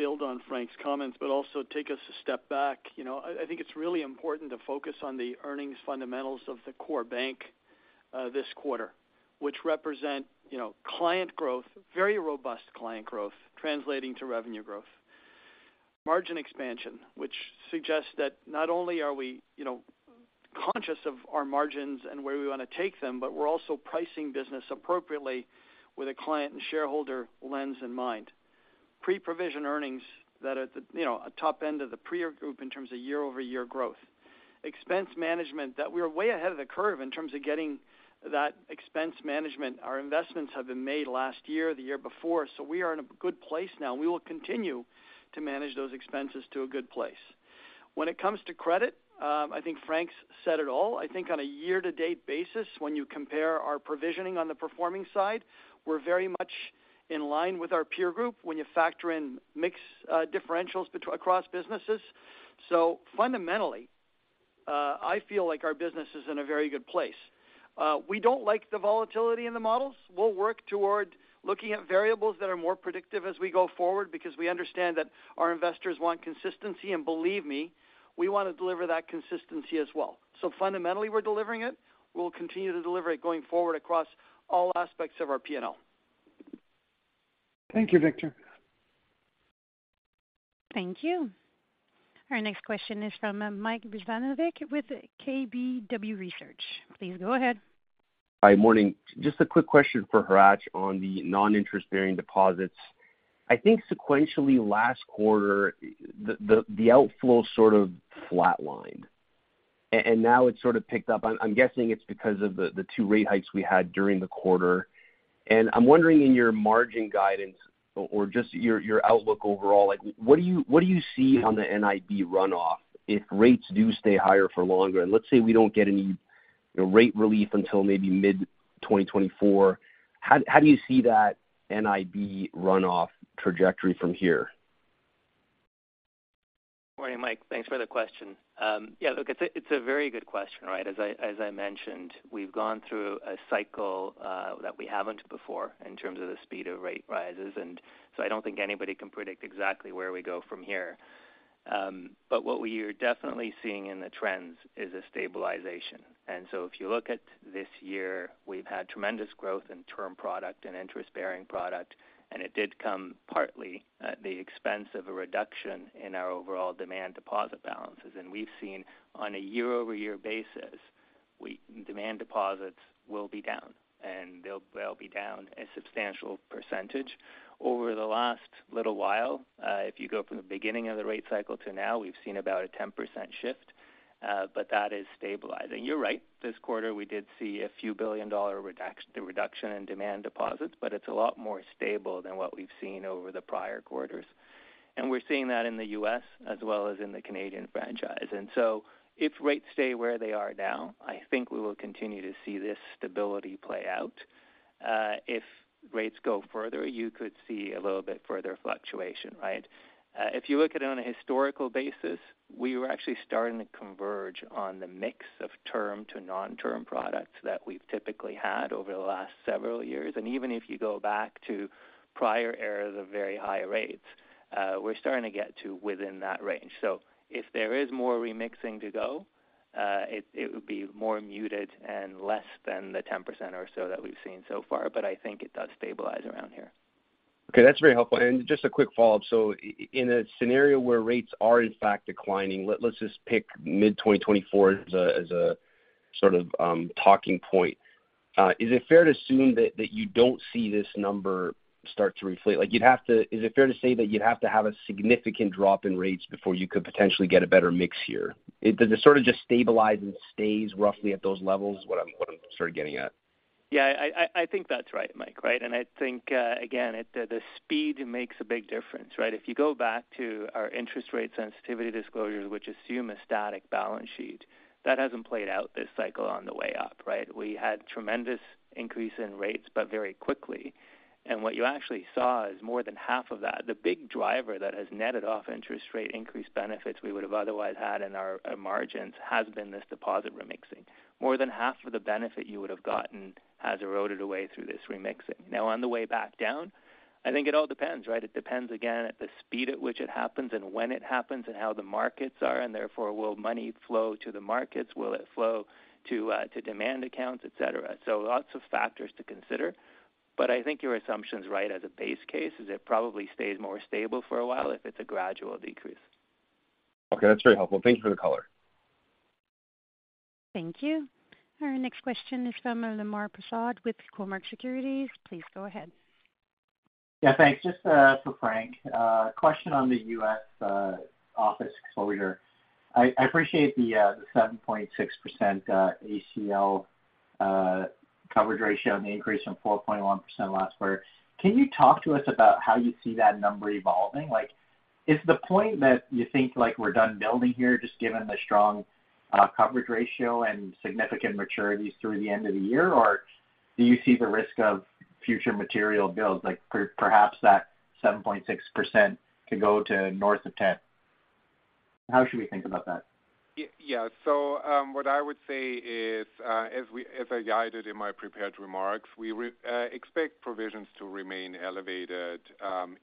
build on Frank's comments, but also take us a step back. You know, I think it's really important to focus on the earnings fundamentals of the core bank this quarter, which represent, you know, client growth, very robust client growth, translating to revenue growth. Margin expansion, which suggests that not only are we, you know, conscious of our margins and where we want to take them, but we're also pricing business appropriately with a client and shareholder lens in mind. Pre-provision earnings that are at the, you know, top end of the peer group in terms of year-over-year growth. Expense management, that we are way ahead of the curve in terms of getting that expense management. Our investments have been made last year, the year before, so we are in a good place now, and we will continue to manage those expenses to a good place. When it comes to credit, I think Frank's said it all. I think on a year-to-date basis, when you compare our provisioning on the performing side, we're very much in line with our peer group when you factor in mix, differentials across businesses. So fundamentally, I feel like our business is in a very good place. We don't like the volatility in the models. We'll work toward looking at variables that are more predictive as we go forward because we understand that our investors want consistency, and believe me, we want to deliver that consistency as well. So fundamentally, we're delivering it. We'll continue to deliver it going forward across all aspects of our P&L. Thank you, Victor. Thank you. Our next question is from Mike Rizvanovic with KBW Research. Please go ahead. Hi, morning. Just a quick question for Hratch on the non-interest bearing deposits. I think sequentially last quarter, the outflow sort of flatlined, and now it's sort of picked up. I'm guessing it's because of the two rate hikes we had during the quarter. And I'm wondering in your margin guidance or just your outlook overall, like, what do you see on the NIB runoff if rates do stay higher for longer? And let's say we don't get any, you know, rate relief until maybe mid-2024. How do you see that NIB runoff trajectory from here? Morning, Mike. Thanks for the question. Yeah, look, it's a, it's a very good question, right? As I, as I mentioned, we've gone through a cycle that we haven't before in terms of the speed of rate rises, and so I don't think anybody can predict exactly where we go from here. But what we are definitely seeing in the trends is a stabilization. And so if you look at this year, we've had tremendous growth in term product and interest-bearing product, and it did come partly at the expense of a reduction in our overall demand deposit balances. And we've seen on a year-over-year basis, demand deposits will be down, and they'll, they'll be down a substantial percentage. Over the last little while, if you go from the beginning of the rate cycle to now, we've seen about a 10% shift, but that is stabilizing. You're right, this quarter, we did see a few billion-dollar reduction in demand deposits, but it's a lot more stable than what we've seen over the prior quarters. And we're seeing that in the U.S. as well as in the Canadian franchise. And so if rates stay where they are now, I think we will continue to see this stability play out. If rates go further, you could see a little bit further fluctuation, right? If you look at it on a historical basis, we were actually starting to converge on the mix of term to non-term products that we've typically had over the last several years. Even if you go back to prior eras of very high rates, we're starting to get to within that range. So if there is more remixing to go, it would be more muted and less than the 10% or so that we've seen so far, but I think it does stabilize around here. Okay, that's very helpful. Just a quick follow-up. So in a scenario where rates are in fact declining, let's just pick mid-2024 as a sort of talking point. Is it fair to assume that you don't see this number start to reflate? Like, you'd have to. Is it fair to say that you'd have to have a significant drop in rates before you could potentially get a better mix here? Does it sort of just stabilize and stays roughly at those levels, is what I'm sort of getting at. Yeah, I think that's right, Mike. Right? And I think, again, the speed makes a big difference, right? If you go back to our interest rate sensitivity disclosures, which assume a static balance sheet, that hasn't played out this cycle on the way up, right? We had tremendous increase in rates, but very quickly. And what you actually saw is more than half of that. The big driver that has netted off interest rate increase benefits we would have otherwise had in our margins, has been this deposit remixing. More than half of the benefit you would have gotten has eroded away through this remixing. Now, on the way back down, I think it all depends, right? It depends, again, at the speed at which it happens and when it happens and how the markets are, and therefore, will money flow to the markets? Will it flow to, to demand accounts, et cetera? So lots of factors to consider, but I think your assumption's right as a base case, is it probably stays more stable for a while if it's a gradual decrease. Okay, that's very helpful. Thank you for the color. Thank you. Our next question is from Lemar Persaud with Cormark Securities. Please go ahead. Yeah, thanks. Just, for Frank. Question on the U.S., office exposure. I, I appreciate the, the 7.6% ACL, coverage ratio and the increase from 4.1 last quarter. Can you talk to us about how you see that number evolving? Like, is the point that you think, like, we're done building here, just given the strong, coverage ratio and significant maturities through the end of the year? Or do you see the risk of future material builds, like per- perhaps that 7.6% could go to north of 10? How should we think about that? Yeah, so, what I would say is, as we, as I guided in my prepared remarks, we expect provisions to remain elevated,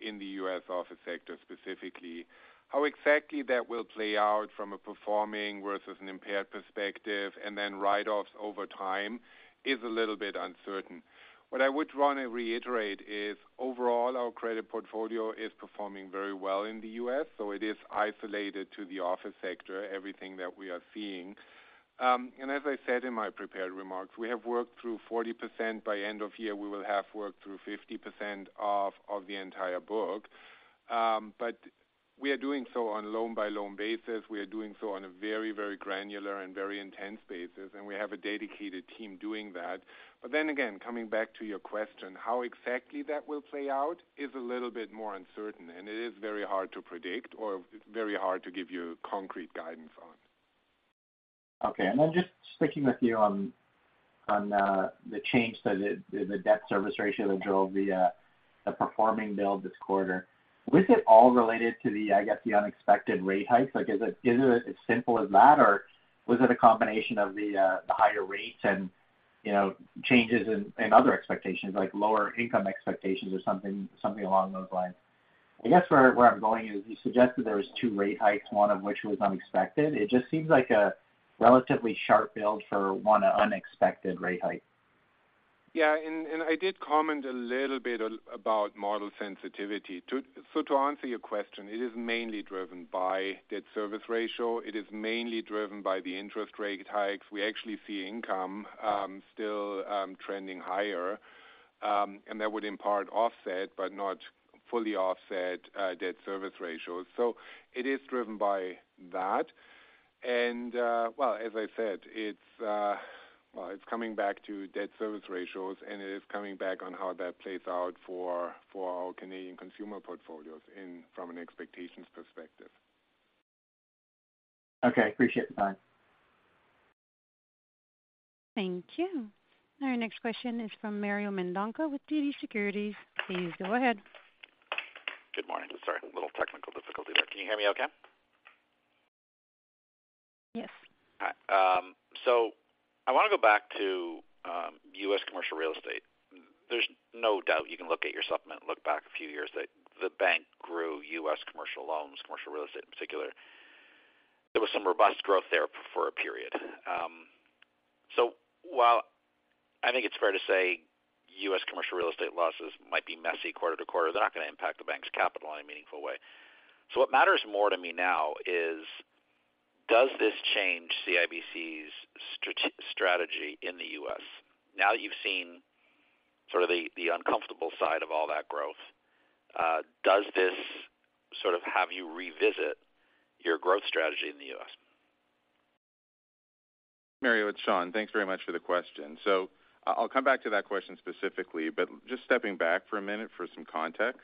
in the U.S. office sector, specifically. How exactly that will play out from a performing versus an impaired perspective, and then write-offs over time is a little bit uncertain. What I would want to reiterate is, overall, our credit portfolio is performing very well in the U.S., so it is isolated to the office sector, everything that we are seeing. And as I said in my prepared remarks, we have worked through 40%. By end of year, we will have worked through 50% of the entire book. But we are doing so on loan-by-loan basis. We are doing so on a very, very granular and very intense basis, and we have a dedicated team doing that. But then again, coming back to your question, how exactly that will play out is a little bit more uncertain, and it is very hard to predict or very hard to give you concrete guidance on. Okay. And then just sticking with you on the change that the debt service ratio that drove the performing build this quarter. Was it all related to the, I guess, the unexpected rate hikes? Like, is it as simple as that, or was it a combination of the higher rates and, you know, changes in other expectations, like lower income expectations or something along those lines? I guess where I'm going is, you suggested there were two rate hikes, one of which was unexpected. It just seems like a relatively sharp build for one unexpected rate hike. Yeah, and I did comment a little bit about model sensitivity. So to answer your question, it is mainly driven by debt service ratio. It is mainly driven by the interest rate hikes. We actually see income still trending higher, and that would in part offset, but not fully offset, debt service ratios. So it is driven by that. And, well, as I said, it's well, it's coming back to debt service ratios, and it is coming back on how that plays out for our Canadian consumer portfolios in from an expectations perspective. Okay. I appreciate the time. Thank you. Our next question is from Mario Mendonca with TD Securities. Please go ahead. Good morning. Sorry, a little technical difficulty there. Can you hear me okay? Yes. So, I want to go back to US commercial real estate. There's no doubt you can look at your supplement, look back a few years, that the bank grew US commercial loans, commercial real estate in particular. There was some robust growth there for a period. So while I think it's fair to say US commercial real estate losses might be messy quarter to quarter, they're not going to impact the bank's capital in a meaningful way. So what matters more to me now is, does this change CIBC's strategy in the US? Now that you've seen sort of the uncomfortable side of all that growth, does this sort of have you revisit your growth strategy in the US? Mario, it's Shawn. Thanks very much for the question. So I, I'll come back to that question specifically, but just stepping back for a minute for some context.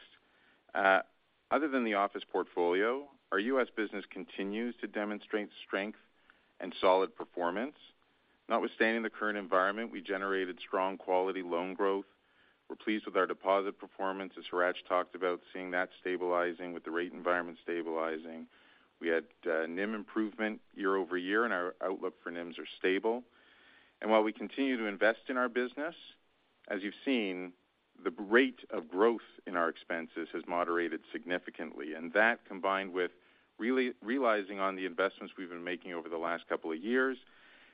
Other than the office portfolio, our U.S. business continues to demonstrate strength and solid performance. Notwithstanding the current environment, we generated strong quality loan growth. We're pleased with our deposit performance, as Hratch talked about, seeing that stabilizing with the rate environment stabilizing. We had NIM improvement year-over-year, and our outlook for NIMs are stable. And while we continue to invest in our business, as you've seen, the rate of growth in our expenses has moderated significantly. And that, combined with really realizing on the investments we've been making over the last couple of years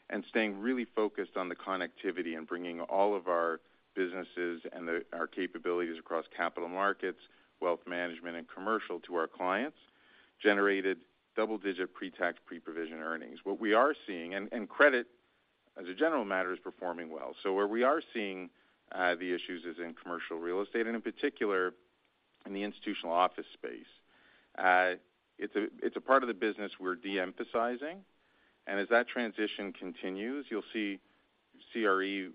and staying really focused on the connectivity and bringing all of our businesses and our capabilities across capital markets, wealth management, and commercial to our clients, generated double-digit pre-tax, pre-provision earnings. What we are seeing and credit, as a general matter, is performing well. So where we are seeing the issues is in commercial real estate, and in particular, in the institutional office space. It's a part of the business we're de-emphasizing, and as that transition continues, you'll see CRE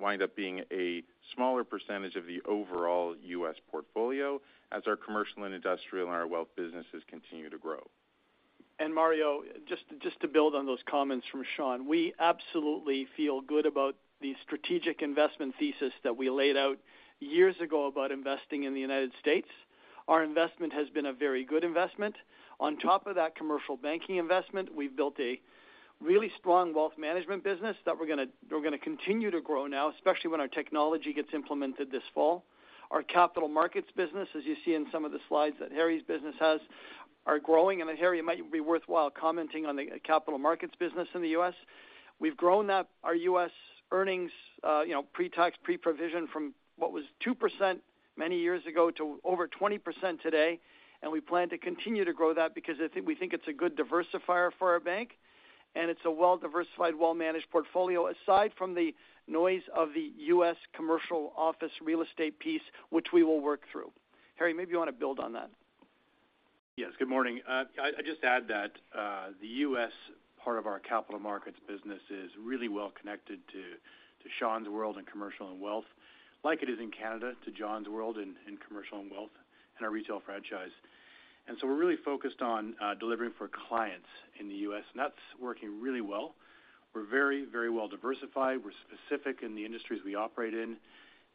wind up being a smaller percentage of the overall U.S. portfolio as our commercial and industrial and our wealth businesses continue to grow. And Mario, just, just to build on those comments from Shawn, we absolutely feel good about the strategic investment thesis that we laid out years ago about investing in the United States. Our investment has been a very good investment. On top of that commercial banking investment, we've built a really strong wealth management business that we're gonna—we're gonna continue to grow now, especially when our technology gets implemented this fall. Our capital markets business, as you see in some of the slides that Harry's business has, are growing. And Harry, it might be worthwhile commenting on the capital markets business in the U.S. We've grown that, our U.S. earnings, you know, pre-tax, pre-provision from what was 2% many years ago to over 20% today, and we plan to continue to grow that because I think, we think it's a good diversifier for our bank, and it's a well-diversified, well-managed portfolio, aside from the noise of the U.S. commercial office real estate piece, which we will work through. Harry, maybe you want to build on that. Yes, good morning. I'd just add that the U.S. part of our capital markets business is really well connected to Shawn's world in commercial and wealth, like it is in Canada, to Jon's world in commercial and wealth and our retail franchise. So we're really focused on delivering for clients in the U.S., and that's working really well. We're very, very well diversified. We're specific in the industries we operate in.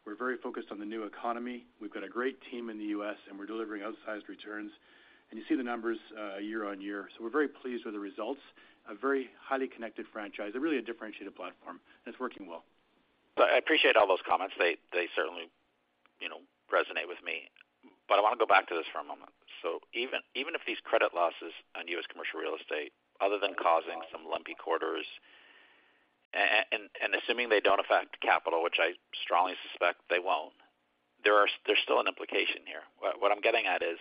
We're very focused on the new economy. We've got a great team in the U.S., and we're delivering outsized returns, and you see the numbers, year on year. So we're very pleased with the results, a very highly connected franchise, a really differentiated platform, and it's working well. So I appreciate all those comments. They certainly, you know, resonate with me, but I want to go back to this for a moment. So even if these credit losses on U.S. commercial real estate, other than causing some lumpy quarters, and assuming they don't affect capital, which I strongly suspect they won't, there's still an implication here. What I'm getting at is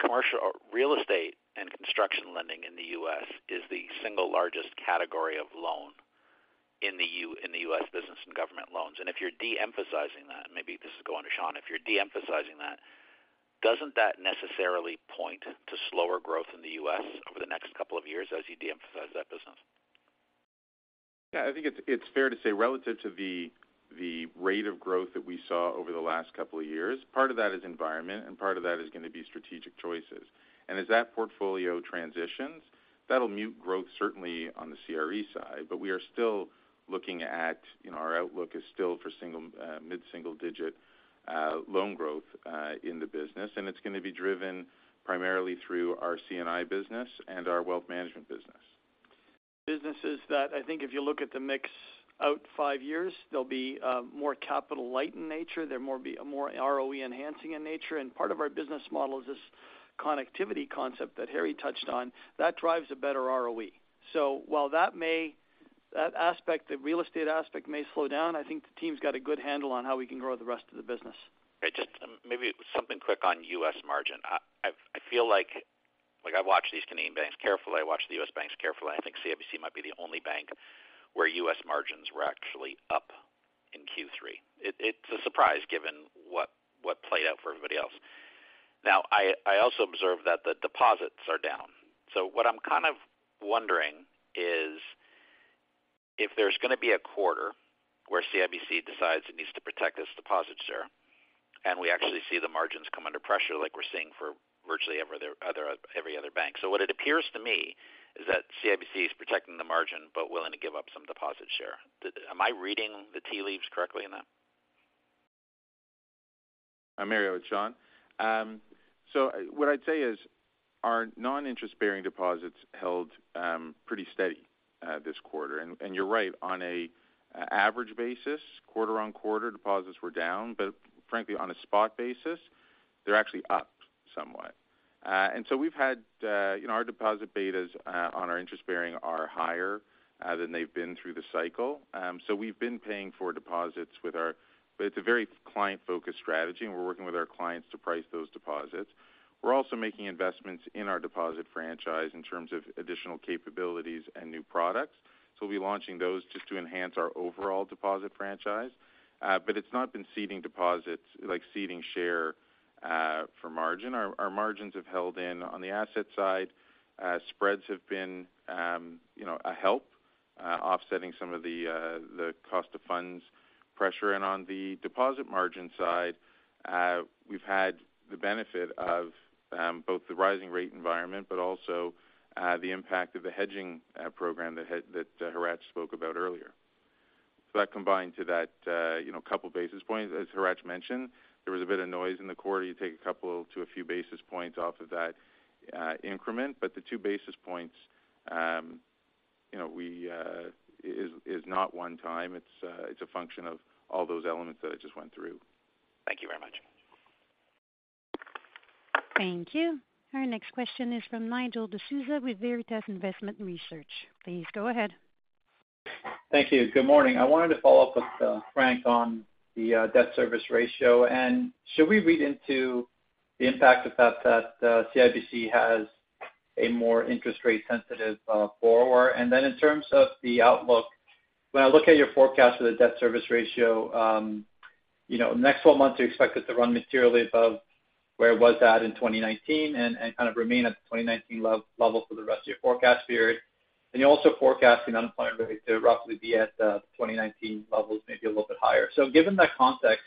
commercial or real estate and construction lending in the U.S. is the single largest category of loan in the U.S. business and government loans. And if you're de-emphasizing that, maybe this is going to Shawn, if you're de-emphasizing that, doesn't that necessarily point to slower growth in the U.S. over the next couple of years as you de-emphasize that business? Yeah, I think it's fair to say relative to the rate of growth that we saw over the last couple of years, part of that is environment, and part of that is going to be strategic choices. And as that portfolio transitions, that'll mute growth, certainly on the CRE side. But we are still looking at, you know, our outlook is still for single, mid-single digit loan growth in the business, and it's going to be driven primarily through our C&I business and our wealth management business. Businesses that I think if you look at the mix out five years, they'll be more capital light in nature. They're more ROE enhancing in nature, and part of our business model is this connectivity concept that Harry touched on, that drives a better ROE. So while that aspect, the real estate aspect, may slow down, I think the team's got a good handle on how we can grow the rest of the business. Right. Just maybe something quick on U.S. margin. I feel like I watch these Canadian banks carefully. I watch the U.S. banks carefully. I think CIBC might be the only bank where U.S. margins were actually up in Q3. It's a surprise, given what played out for everybody else. Now, I also observe that the deposits are down. So what I'm kind of wondering is, if there's going to be a quarter where CIBC decides it needs to protect its deposit share, and we actually see the margins come under pressure like we're seeing for virtually every other bank. So what it appears to me is that CIBC is protecting the margin, but willing to give up some deposit share. Am I reading the tea leaves correctly in that? Mario, it's Shawn. So what I'd say is our non-interest-bearing deposits held pretty steady this quarter. And you're right, on an average basis, quarter-over-quarter, deposits were down, but frankly, on a spot basis, they're actually up somewhat. And so we've had, you know, our deposit betas on our interest-bearing are higher than they've been through the cycle. So we've been paying for deposits but it's a very client-focused strategy, and we're working with our clients to price those deposits. We're also making investments in our deposit franchise in terms of additional capabilities and new products, so we'll be launching those just to enhance our overall deposit franchise. But it's not been ceding deposits, like ceding share, for margin. Our margins have held in. On the asset side, spreads have been, you know, a help, offsetting some of the, the cost of funds pressure. On the deposit margin side, we've had the benefit of, both the rising rate environment, but also, the impact of the hedging, program that Harry spoke about earlier. So that combined to that, you know, couple basis points, as Harry mentioned, there was a bit of noise in the quarter. You take a couple to a few basis points off of that, increment, but the two basis points, you know, we, is, is not one time. It's a, it's a function of all those elements that I just went through. Thank you very much. Thank you. Our next question is from Nigel D'Souza with Veritas Investment Research. Please go ahead. Thank you. Good morning. I wanted to follow up with Frank on the debt service ratio, and should we read into the impact of that, that CIBC has a more interest rate sensitive borrower? And then in terms of the outlook, when I look at your forecast for the debt service ratio, you know, next 12 months, you expect it to run materially above where it was at in 2019 and kind of remain at the 2019 level for the rest of your forecast period. And you're also forecasting unemployment rate to roughly be at 2019 levels, maybe a little bit higher. So given that context,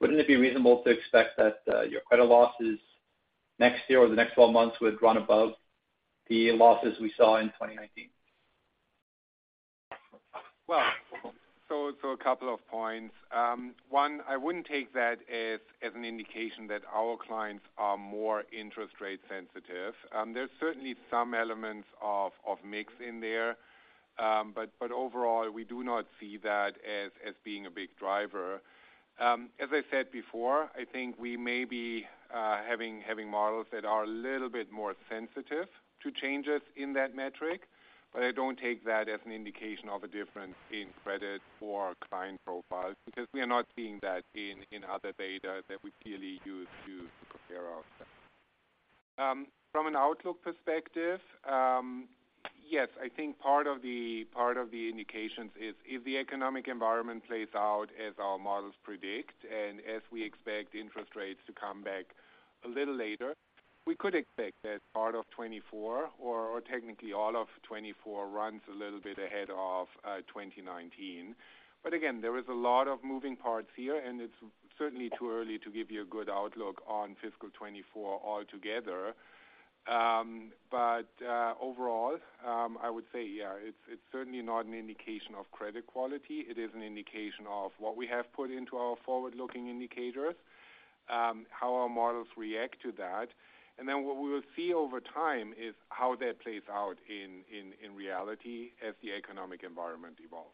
wouldn't it be reasonable to expect that your credit losses next year or the next 12 months would run above the losses we saw in 2019? Well, so a couple of points. One, I wouldn't take that as an indication that our clients are more interest rate sensitive. There's certainly some elements of mix in there, but overall, we do not see that as being a big driver. As I said before, I think we may be having models that are a little bit more sensitive to changes in that metric, but I don't take that as an indication of a difference in credit or client profiles, because we are not seeing that in other data that we clearly use to compare ourselves. From an outlook perspective, yes, I think part of the, part of the indications is, if the economic environment plays out as our models predict and as we expect interest rates to come back a little later, we could expect that part of 2024 or, or technically all of 2024 runs a little bit ahead of 2019. But again, there is a lot of moving parts here, and it's certainly too early to give you a good outlook on fiscal 2024 altogether. But overall, I would say, yeah, it's certainly not an indication of credit quality. It is an indication of what we have put into our forward-looking indicators, how our models react to that, and then what we will see over time is how that plays out in reality as the economic environment evolves.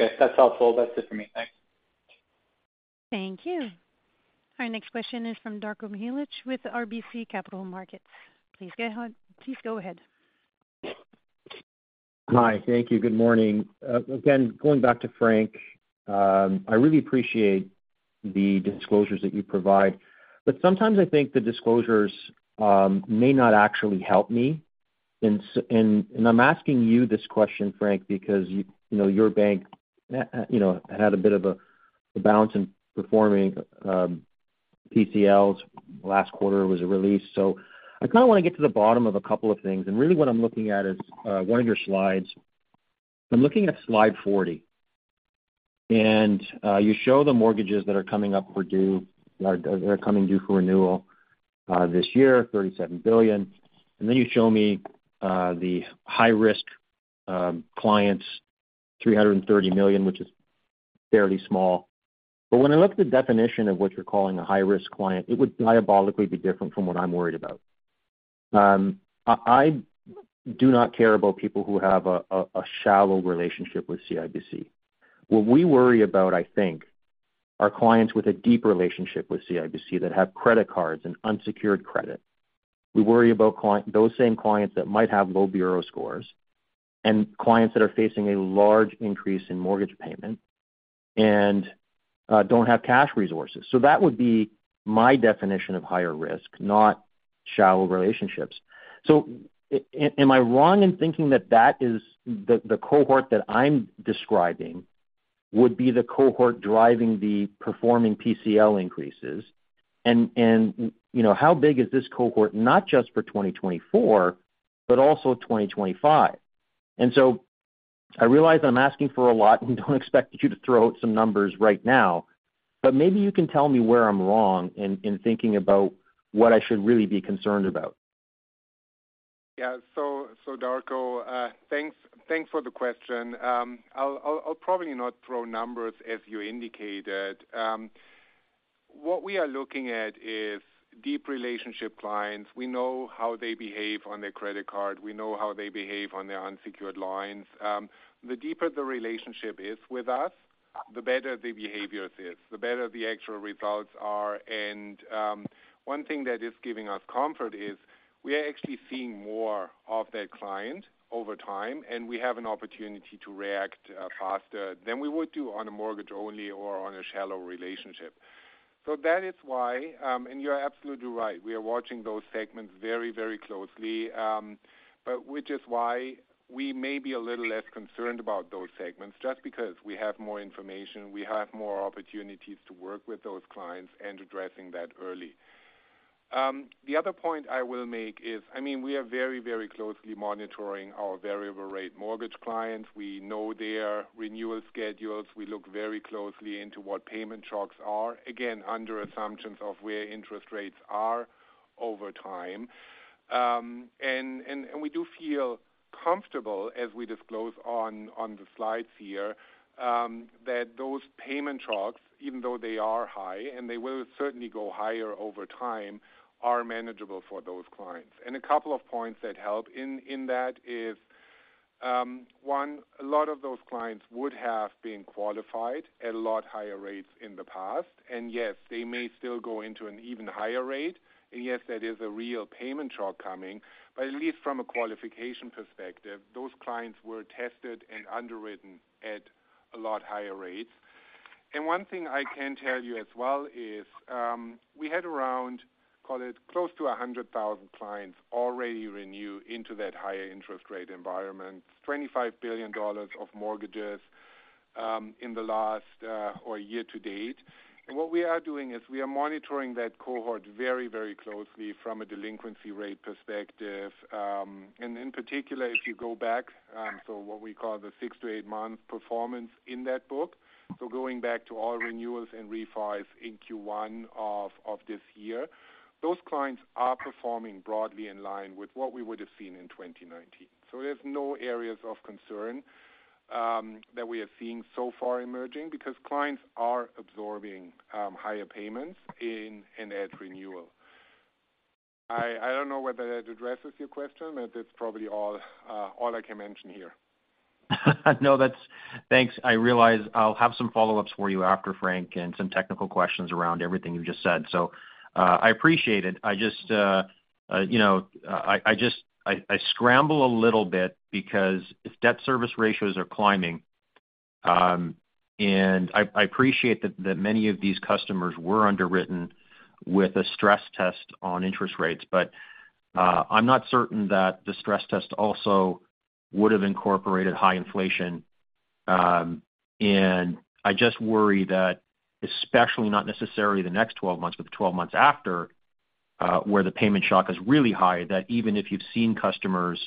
Okay, that's helpful. That's it for me. Thanks. Thank you. Our next question is from Darko Mihelic with RBC Capital Markets. Please go ahead. Hi. Thank you. Good morning. Again, going back to Frank, I really appreciate the disclosures that you provide, but sometimes I think the disclosures may not actually help me. And I'm asking you this question, Frank, because you know your bank you know had a bit of a balance in performing PCLs last quarter was released. So I kinda wanna get to the bottom of a couple of things, and really what I'm looking at is one of your slides. I'm looking at Slide 40, and you show the mortgages that are coming up for due, or that are coming due for renewal this year, 37 billion. And then you show me the high risk clients, 330 million, which is fairly small. But when I look at the definition of what you're calling a high-risk client, it would diametrically be different from what I'm worried about. I do not care about people who have a shallow relationship with CIBC. What we worry about, I think, are clients with a deep relationship with CIBC that have credit cards and unsecured credit. We worry about those same clients that might have low bureau scores and clients that are facing a large increase in mortgage payment and don't have cash resources. So that would be my definition of higher risk, not shallow relationships. So am I wrong in thinking that that is the cohort that I'm describing would be the cohort driving the performing PCL increases? And, you know, how big is this cohort, not just for 2024, but also 2025? So I realize I'm asking for a lot and don't expect you to throw out some numbers right now, but maybe you can tell me where I'm wrong in thinking about what I should really be concerned about. Yeah. So, Darko, thanks, thanks for the question. I'll probably not throw numbers as you indicated. What we are looking at is deep relationship clients. We know how they behave on their credit card. We know how they behave on their unsecured lines. The deeper the relationship is with us, the better the behaviors is, the better the actual results are, and one thing that is giving us comfort is we are actually seeing more of that client over time, and we have an opportunity to react faster than we would do on a mortgage only or on a shallow relationship. So that is why, and you're absolutely right, we are watching those segments very, very closely, but which is why we may be a little less concerned about those segments, just because we have more information, we have more opportunities to work with those clients and addressing that early. The other point I will make is, I mean, we are very, very closely monitoring our variable rate mortgage clients. We know their renewal schedules. We look very closely into what payment shocks are, again, under assumptions of where interest rates are over time. And we do feel comfortable, as we disclose on the slides here, that those payment shocks, even though they are high and they will certainly go higher over time, are manageable for those clients. A couple of points that help in that is one, a lot of those clients would have been qualified at a lot higher rates in the past, and yes, they may still go into an even higher rate. Yes, that is a real payment shock coming, but at least from a qualification perspective, those clients were tested and underwritten at a lot higher rates. One thing I can tell you as well is we had around, call it, close to 100,000 clients already renew into that higher interest rate environment, 25 billion dollars of mortgages in the last or year to date. What we are doing is we are monitoring that cohort very, very closely from a delinquency rate perspective, and in particular, if you go back, so what we call the 6-8-month performance in that book, so going back to all renewals and refis in Q1 of this year, those clients are performing broadly in line with what we would have seen in 2019. So there's no areas of concern that we have seen so far emerging because clients are absorbing higher payments in that renewal. I don't know whether that addresses your question, but that's probably all I can mention here. No, that's. Thanks. I realize I'll have some follow-ups for you after, Frank, and some technical questions around everything you just said. So, I appreciate it. I just, you know, I scramble a little bit because if debt service ratios are climbing, and I appreciate that many of these customers were underwritten with a stress test on interest rates, but I'm not certain that the stress test also would have incorporated high inflation, and I just worry that, especially not necessarily the next 12 months, but the 12 months after, where the payment shock is really high, that even if you've seen customers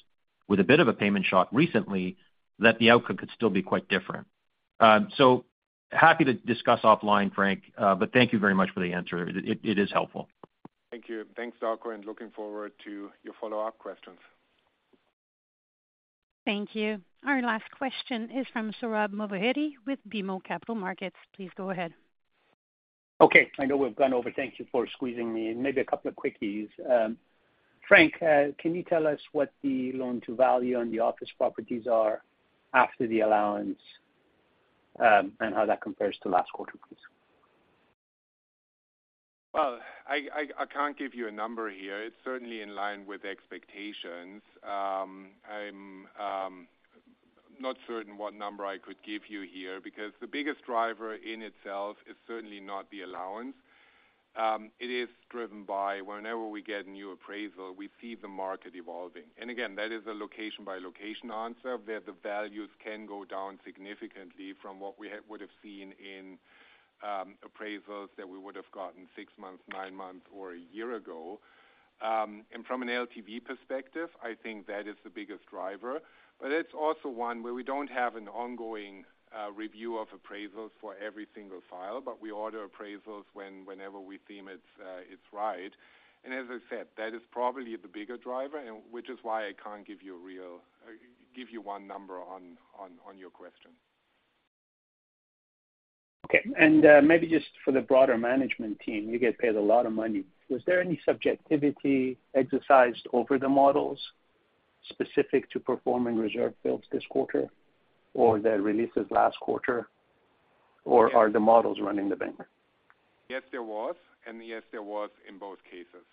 with a bit of a payment shock recently, that the outcome could still be quite different, so happy to discuss offline, Frank, but thank you very much for the answer. It is helpful. Thank you. Thanks, Darko, and looking forward to your follow-up questions. Thank you. Our last question is from Sohrab Movahedi with BMO Capital Markets. Please go ahead. Okay, I know we've gone over. Thank you for squeezing me in. Maybe a couple of quickies. Frank, can you tell us what the loan-to-value on the office properties are after the allowance, and how that compares to last quarter, please? Well, I can't give you a number here. It's certainly in line with expectations. I'm not certain what number I could give you here, because the biggest driver in itself is certainly not the allowance. It is driven by whenever we get a new appraisal, we see the market evolving. And again, that is a location-by-location answer, where the values can go down significantly from what we would have seen in appraisals that we would have gotten six months, nine months, or a year ago. And from an LTV perspective, I think that is the biggest driver, but it's also one where we don't have an ongoing review of appraisals for every single file, but we order appraisals whenever we deem it's right. As I said, that is probably the bigger driver, and which is why I can't give you one number on your question. Okay. Maybe just for the broader management team, you get paid a lot of money. Was there any subjectivity exercised over the models specific to performing reserve builds this quarter, or the releases last quarter, or are the models running the bank? Yes, there was, and yes, there was in both cases.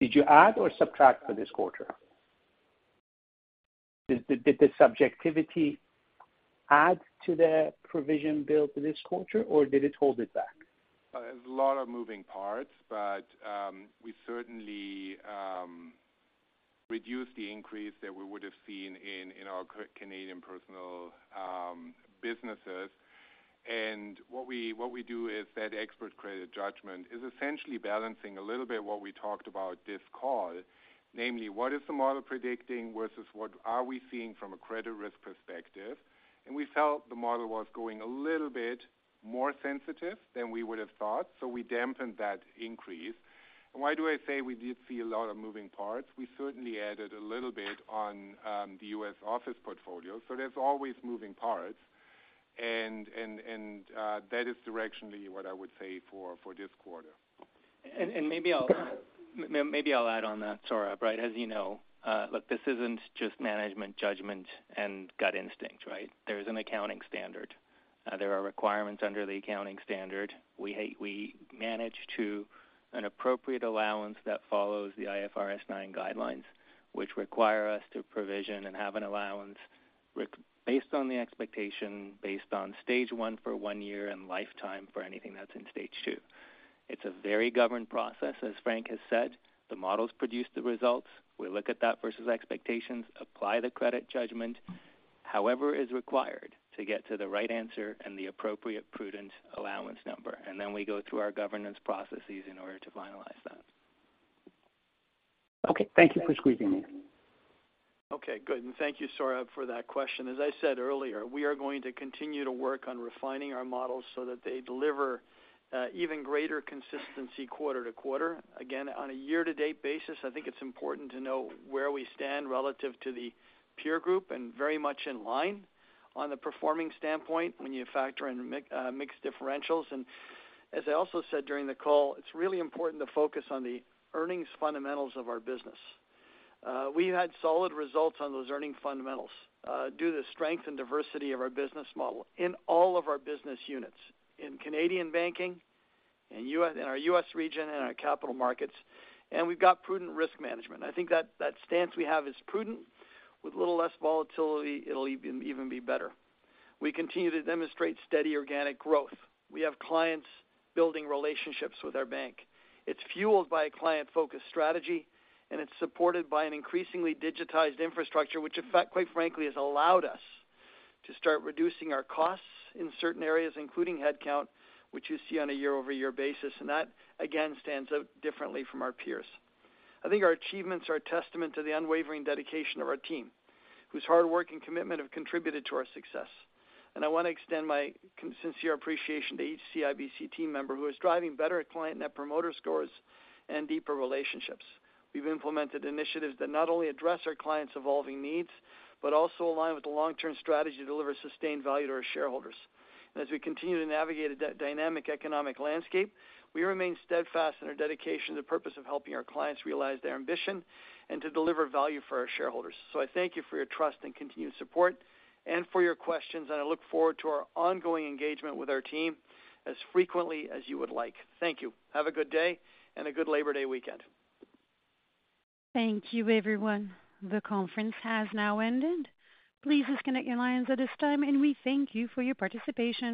Did you add or subtract for this quarter? Did the subjectivity add to the provision build for this quarter, or did it hold it back? There's a lot of moving parts, but we certainly reduced the increase that we would have seen in our Canadian personal businesses. And what we do is that expert credit judgment is essentially balancing a little bit what we talked about this call. Namely, what is the model predicting versus what are we seeing from a credit risk perspective? And we felt the model was going a little bit more sensitive than we would have thought, so we dampened that increase. And why do I say we did see a lot of moving parts? We certainly added a little bit on the U.S. office portfolio, so there's always moving parts and that is directionally what I would say for this quarter. Maybe I'll add on that, Sohrab, right? As you know, look, this isn't just management judgment and gut instinct, right? There's an accounting standard. There are requirements under the accounting standard. We manage to an appropriate allowance that follows the IFRS 9 guidelines, which require us to provision and have an allowance based on the expectation, based on Stage 1 for one year and lifetime for anything that's in Stage 2. It's a very governed process. As Frank has said, the models produce the results. We look at that versus expectations, apply the credit judgment, however, is required to get to the right answer and the appropriate prudent allowance number, and then we go through our governance processes in order to finalize that. Okay. Thank you for squeezing me in. Okay, good. And thank you, Sohrab, for that question. As I said earlier, we are going to continue to work on refining our models so that they deliver even greater consistency quarter to quarter. Again, on a year-to-date basis, I think it's important to know where we stand relative to the peer group, and very much in line on the performing standpoint when you factor in mix differentials. And as I also said during the call, it's really important to focus on the earnings fundamentals of our business. We had solid results on those earning fundamentals due to the strength and diversity of our business model in all of our business units, in Canadian banking, in U.S. region and our capital markets, and we've got prudent risk management. I think that stance we have is prudent. With a little less volatility, it'll even, even be better. We continue to demonstrate steady organic growth. We have clients building relationships with our bank. It's fueled by a client-focused strategy, and it's supported by an increasingly digitized infrastructure, which in fact, quite frankly, has allowed us to start reducing our costs in certain areas, including headcount, which you see on a year-over-year basis, and that, again, stands out differently from our peers. I think our achievements are a testament to the unwavering dedication of our team, whose hard work and commitment have contributed to our success. I want to extend my sincere appreciation to each CIBC team member who is driving better client Net Promoter Scores and deeper relationships. We've implemented initiatives that not only address our clients' evolving needs, but also align with the long-term strategy to deliver sustained value to our shareholders. As we continue to navigate a dynamic economic landscape, we remain steadfast in our dedication to the purpose of helping our clients realize their ambition and to deliver value for our shareholders. I thank you for your trust and continued support and for your questions, and I look forward to our ongoing engagement with our team as frequently as you would like. Thank you. Have a good day and a good Labor Day weekend. Thank you, everyone. The conference has now ended. Please disconnect your lines at this time, and we thank you for your participation.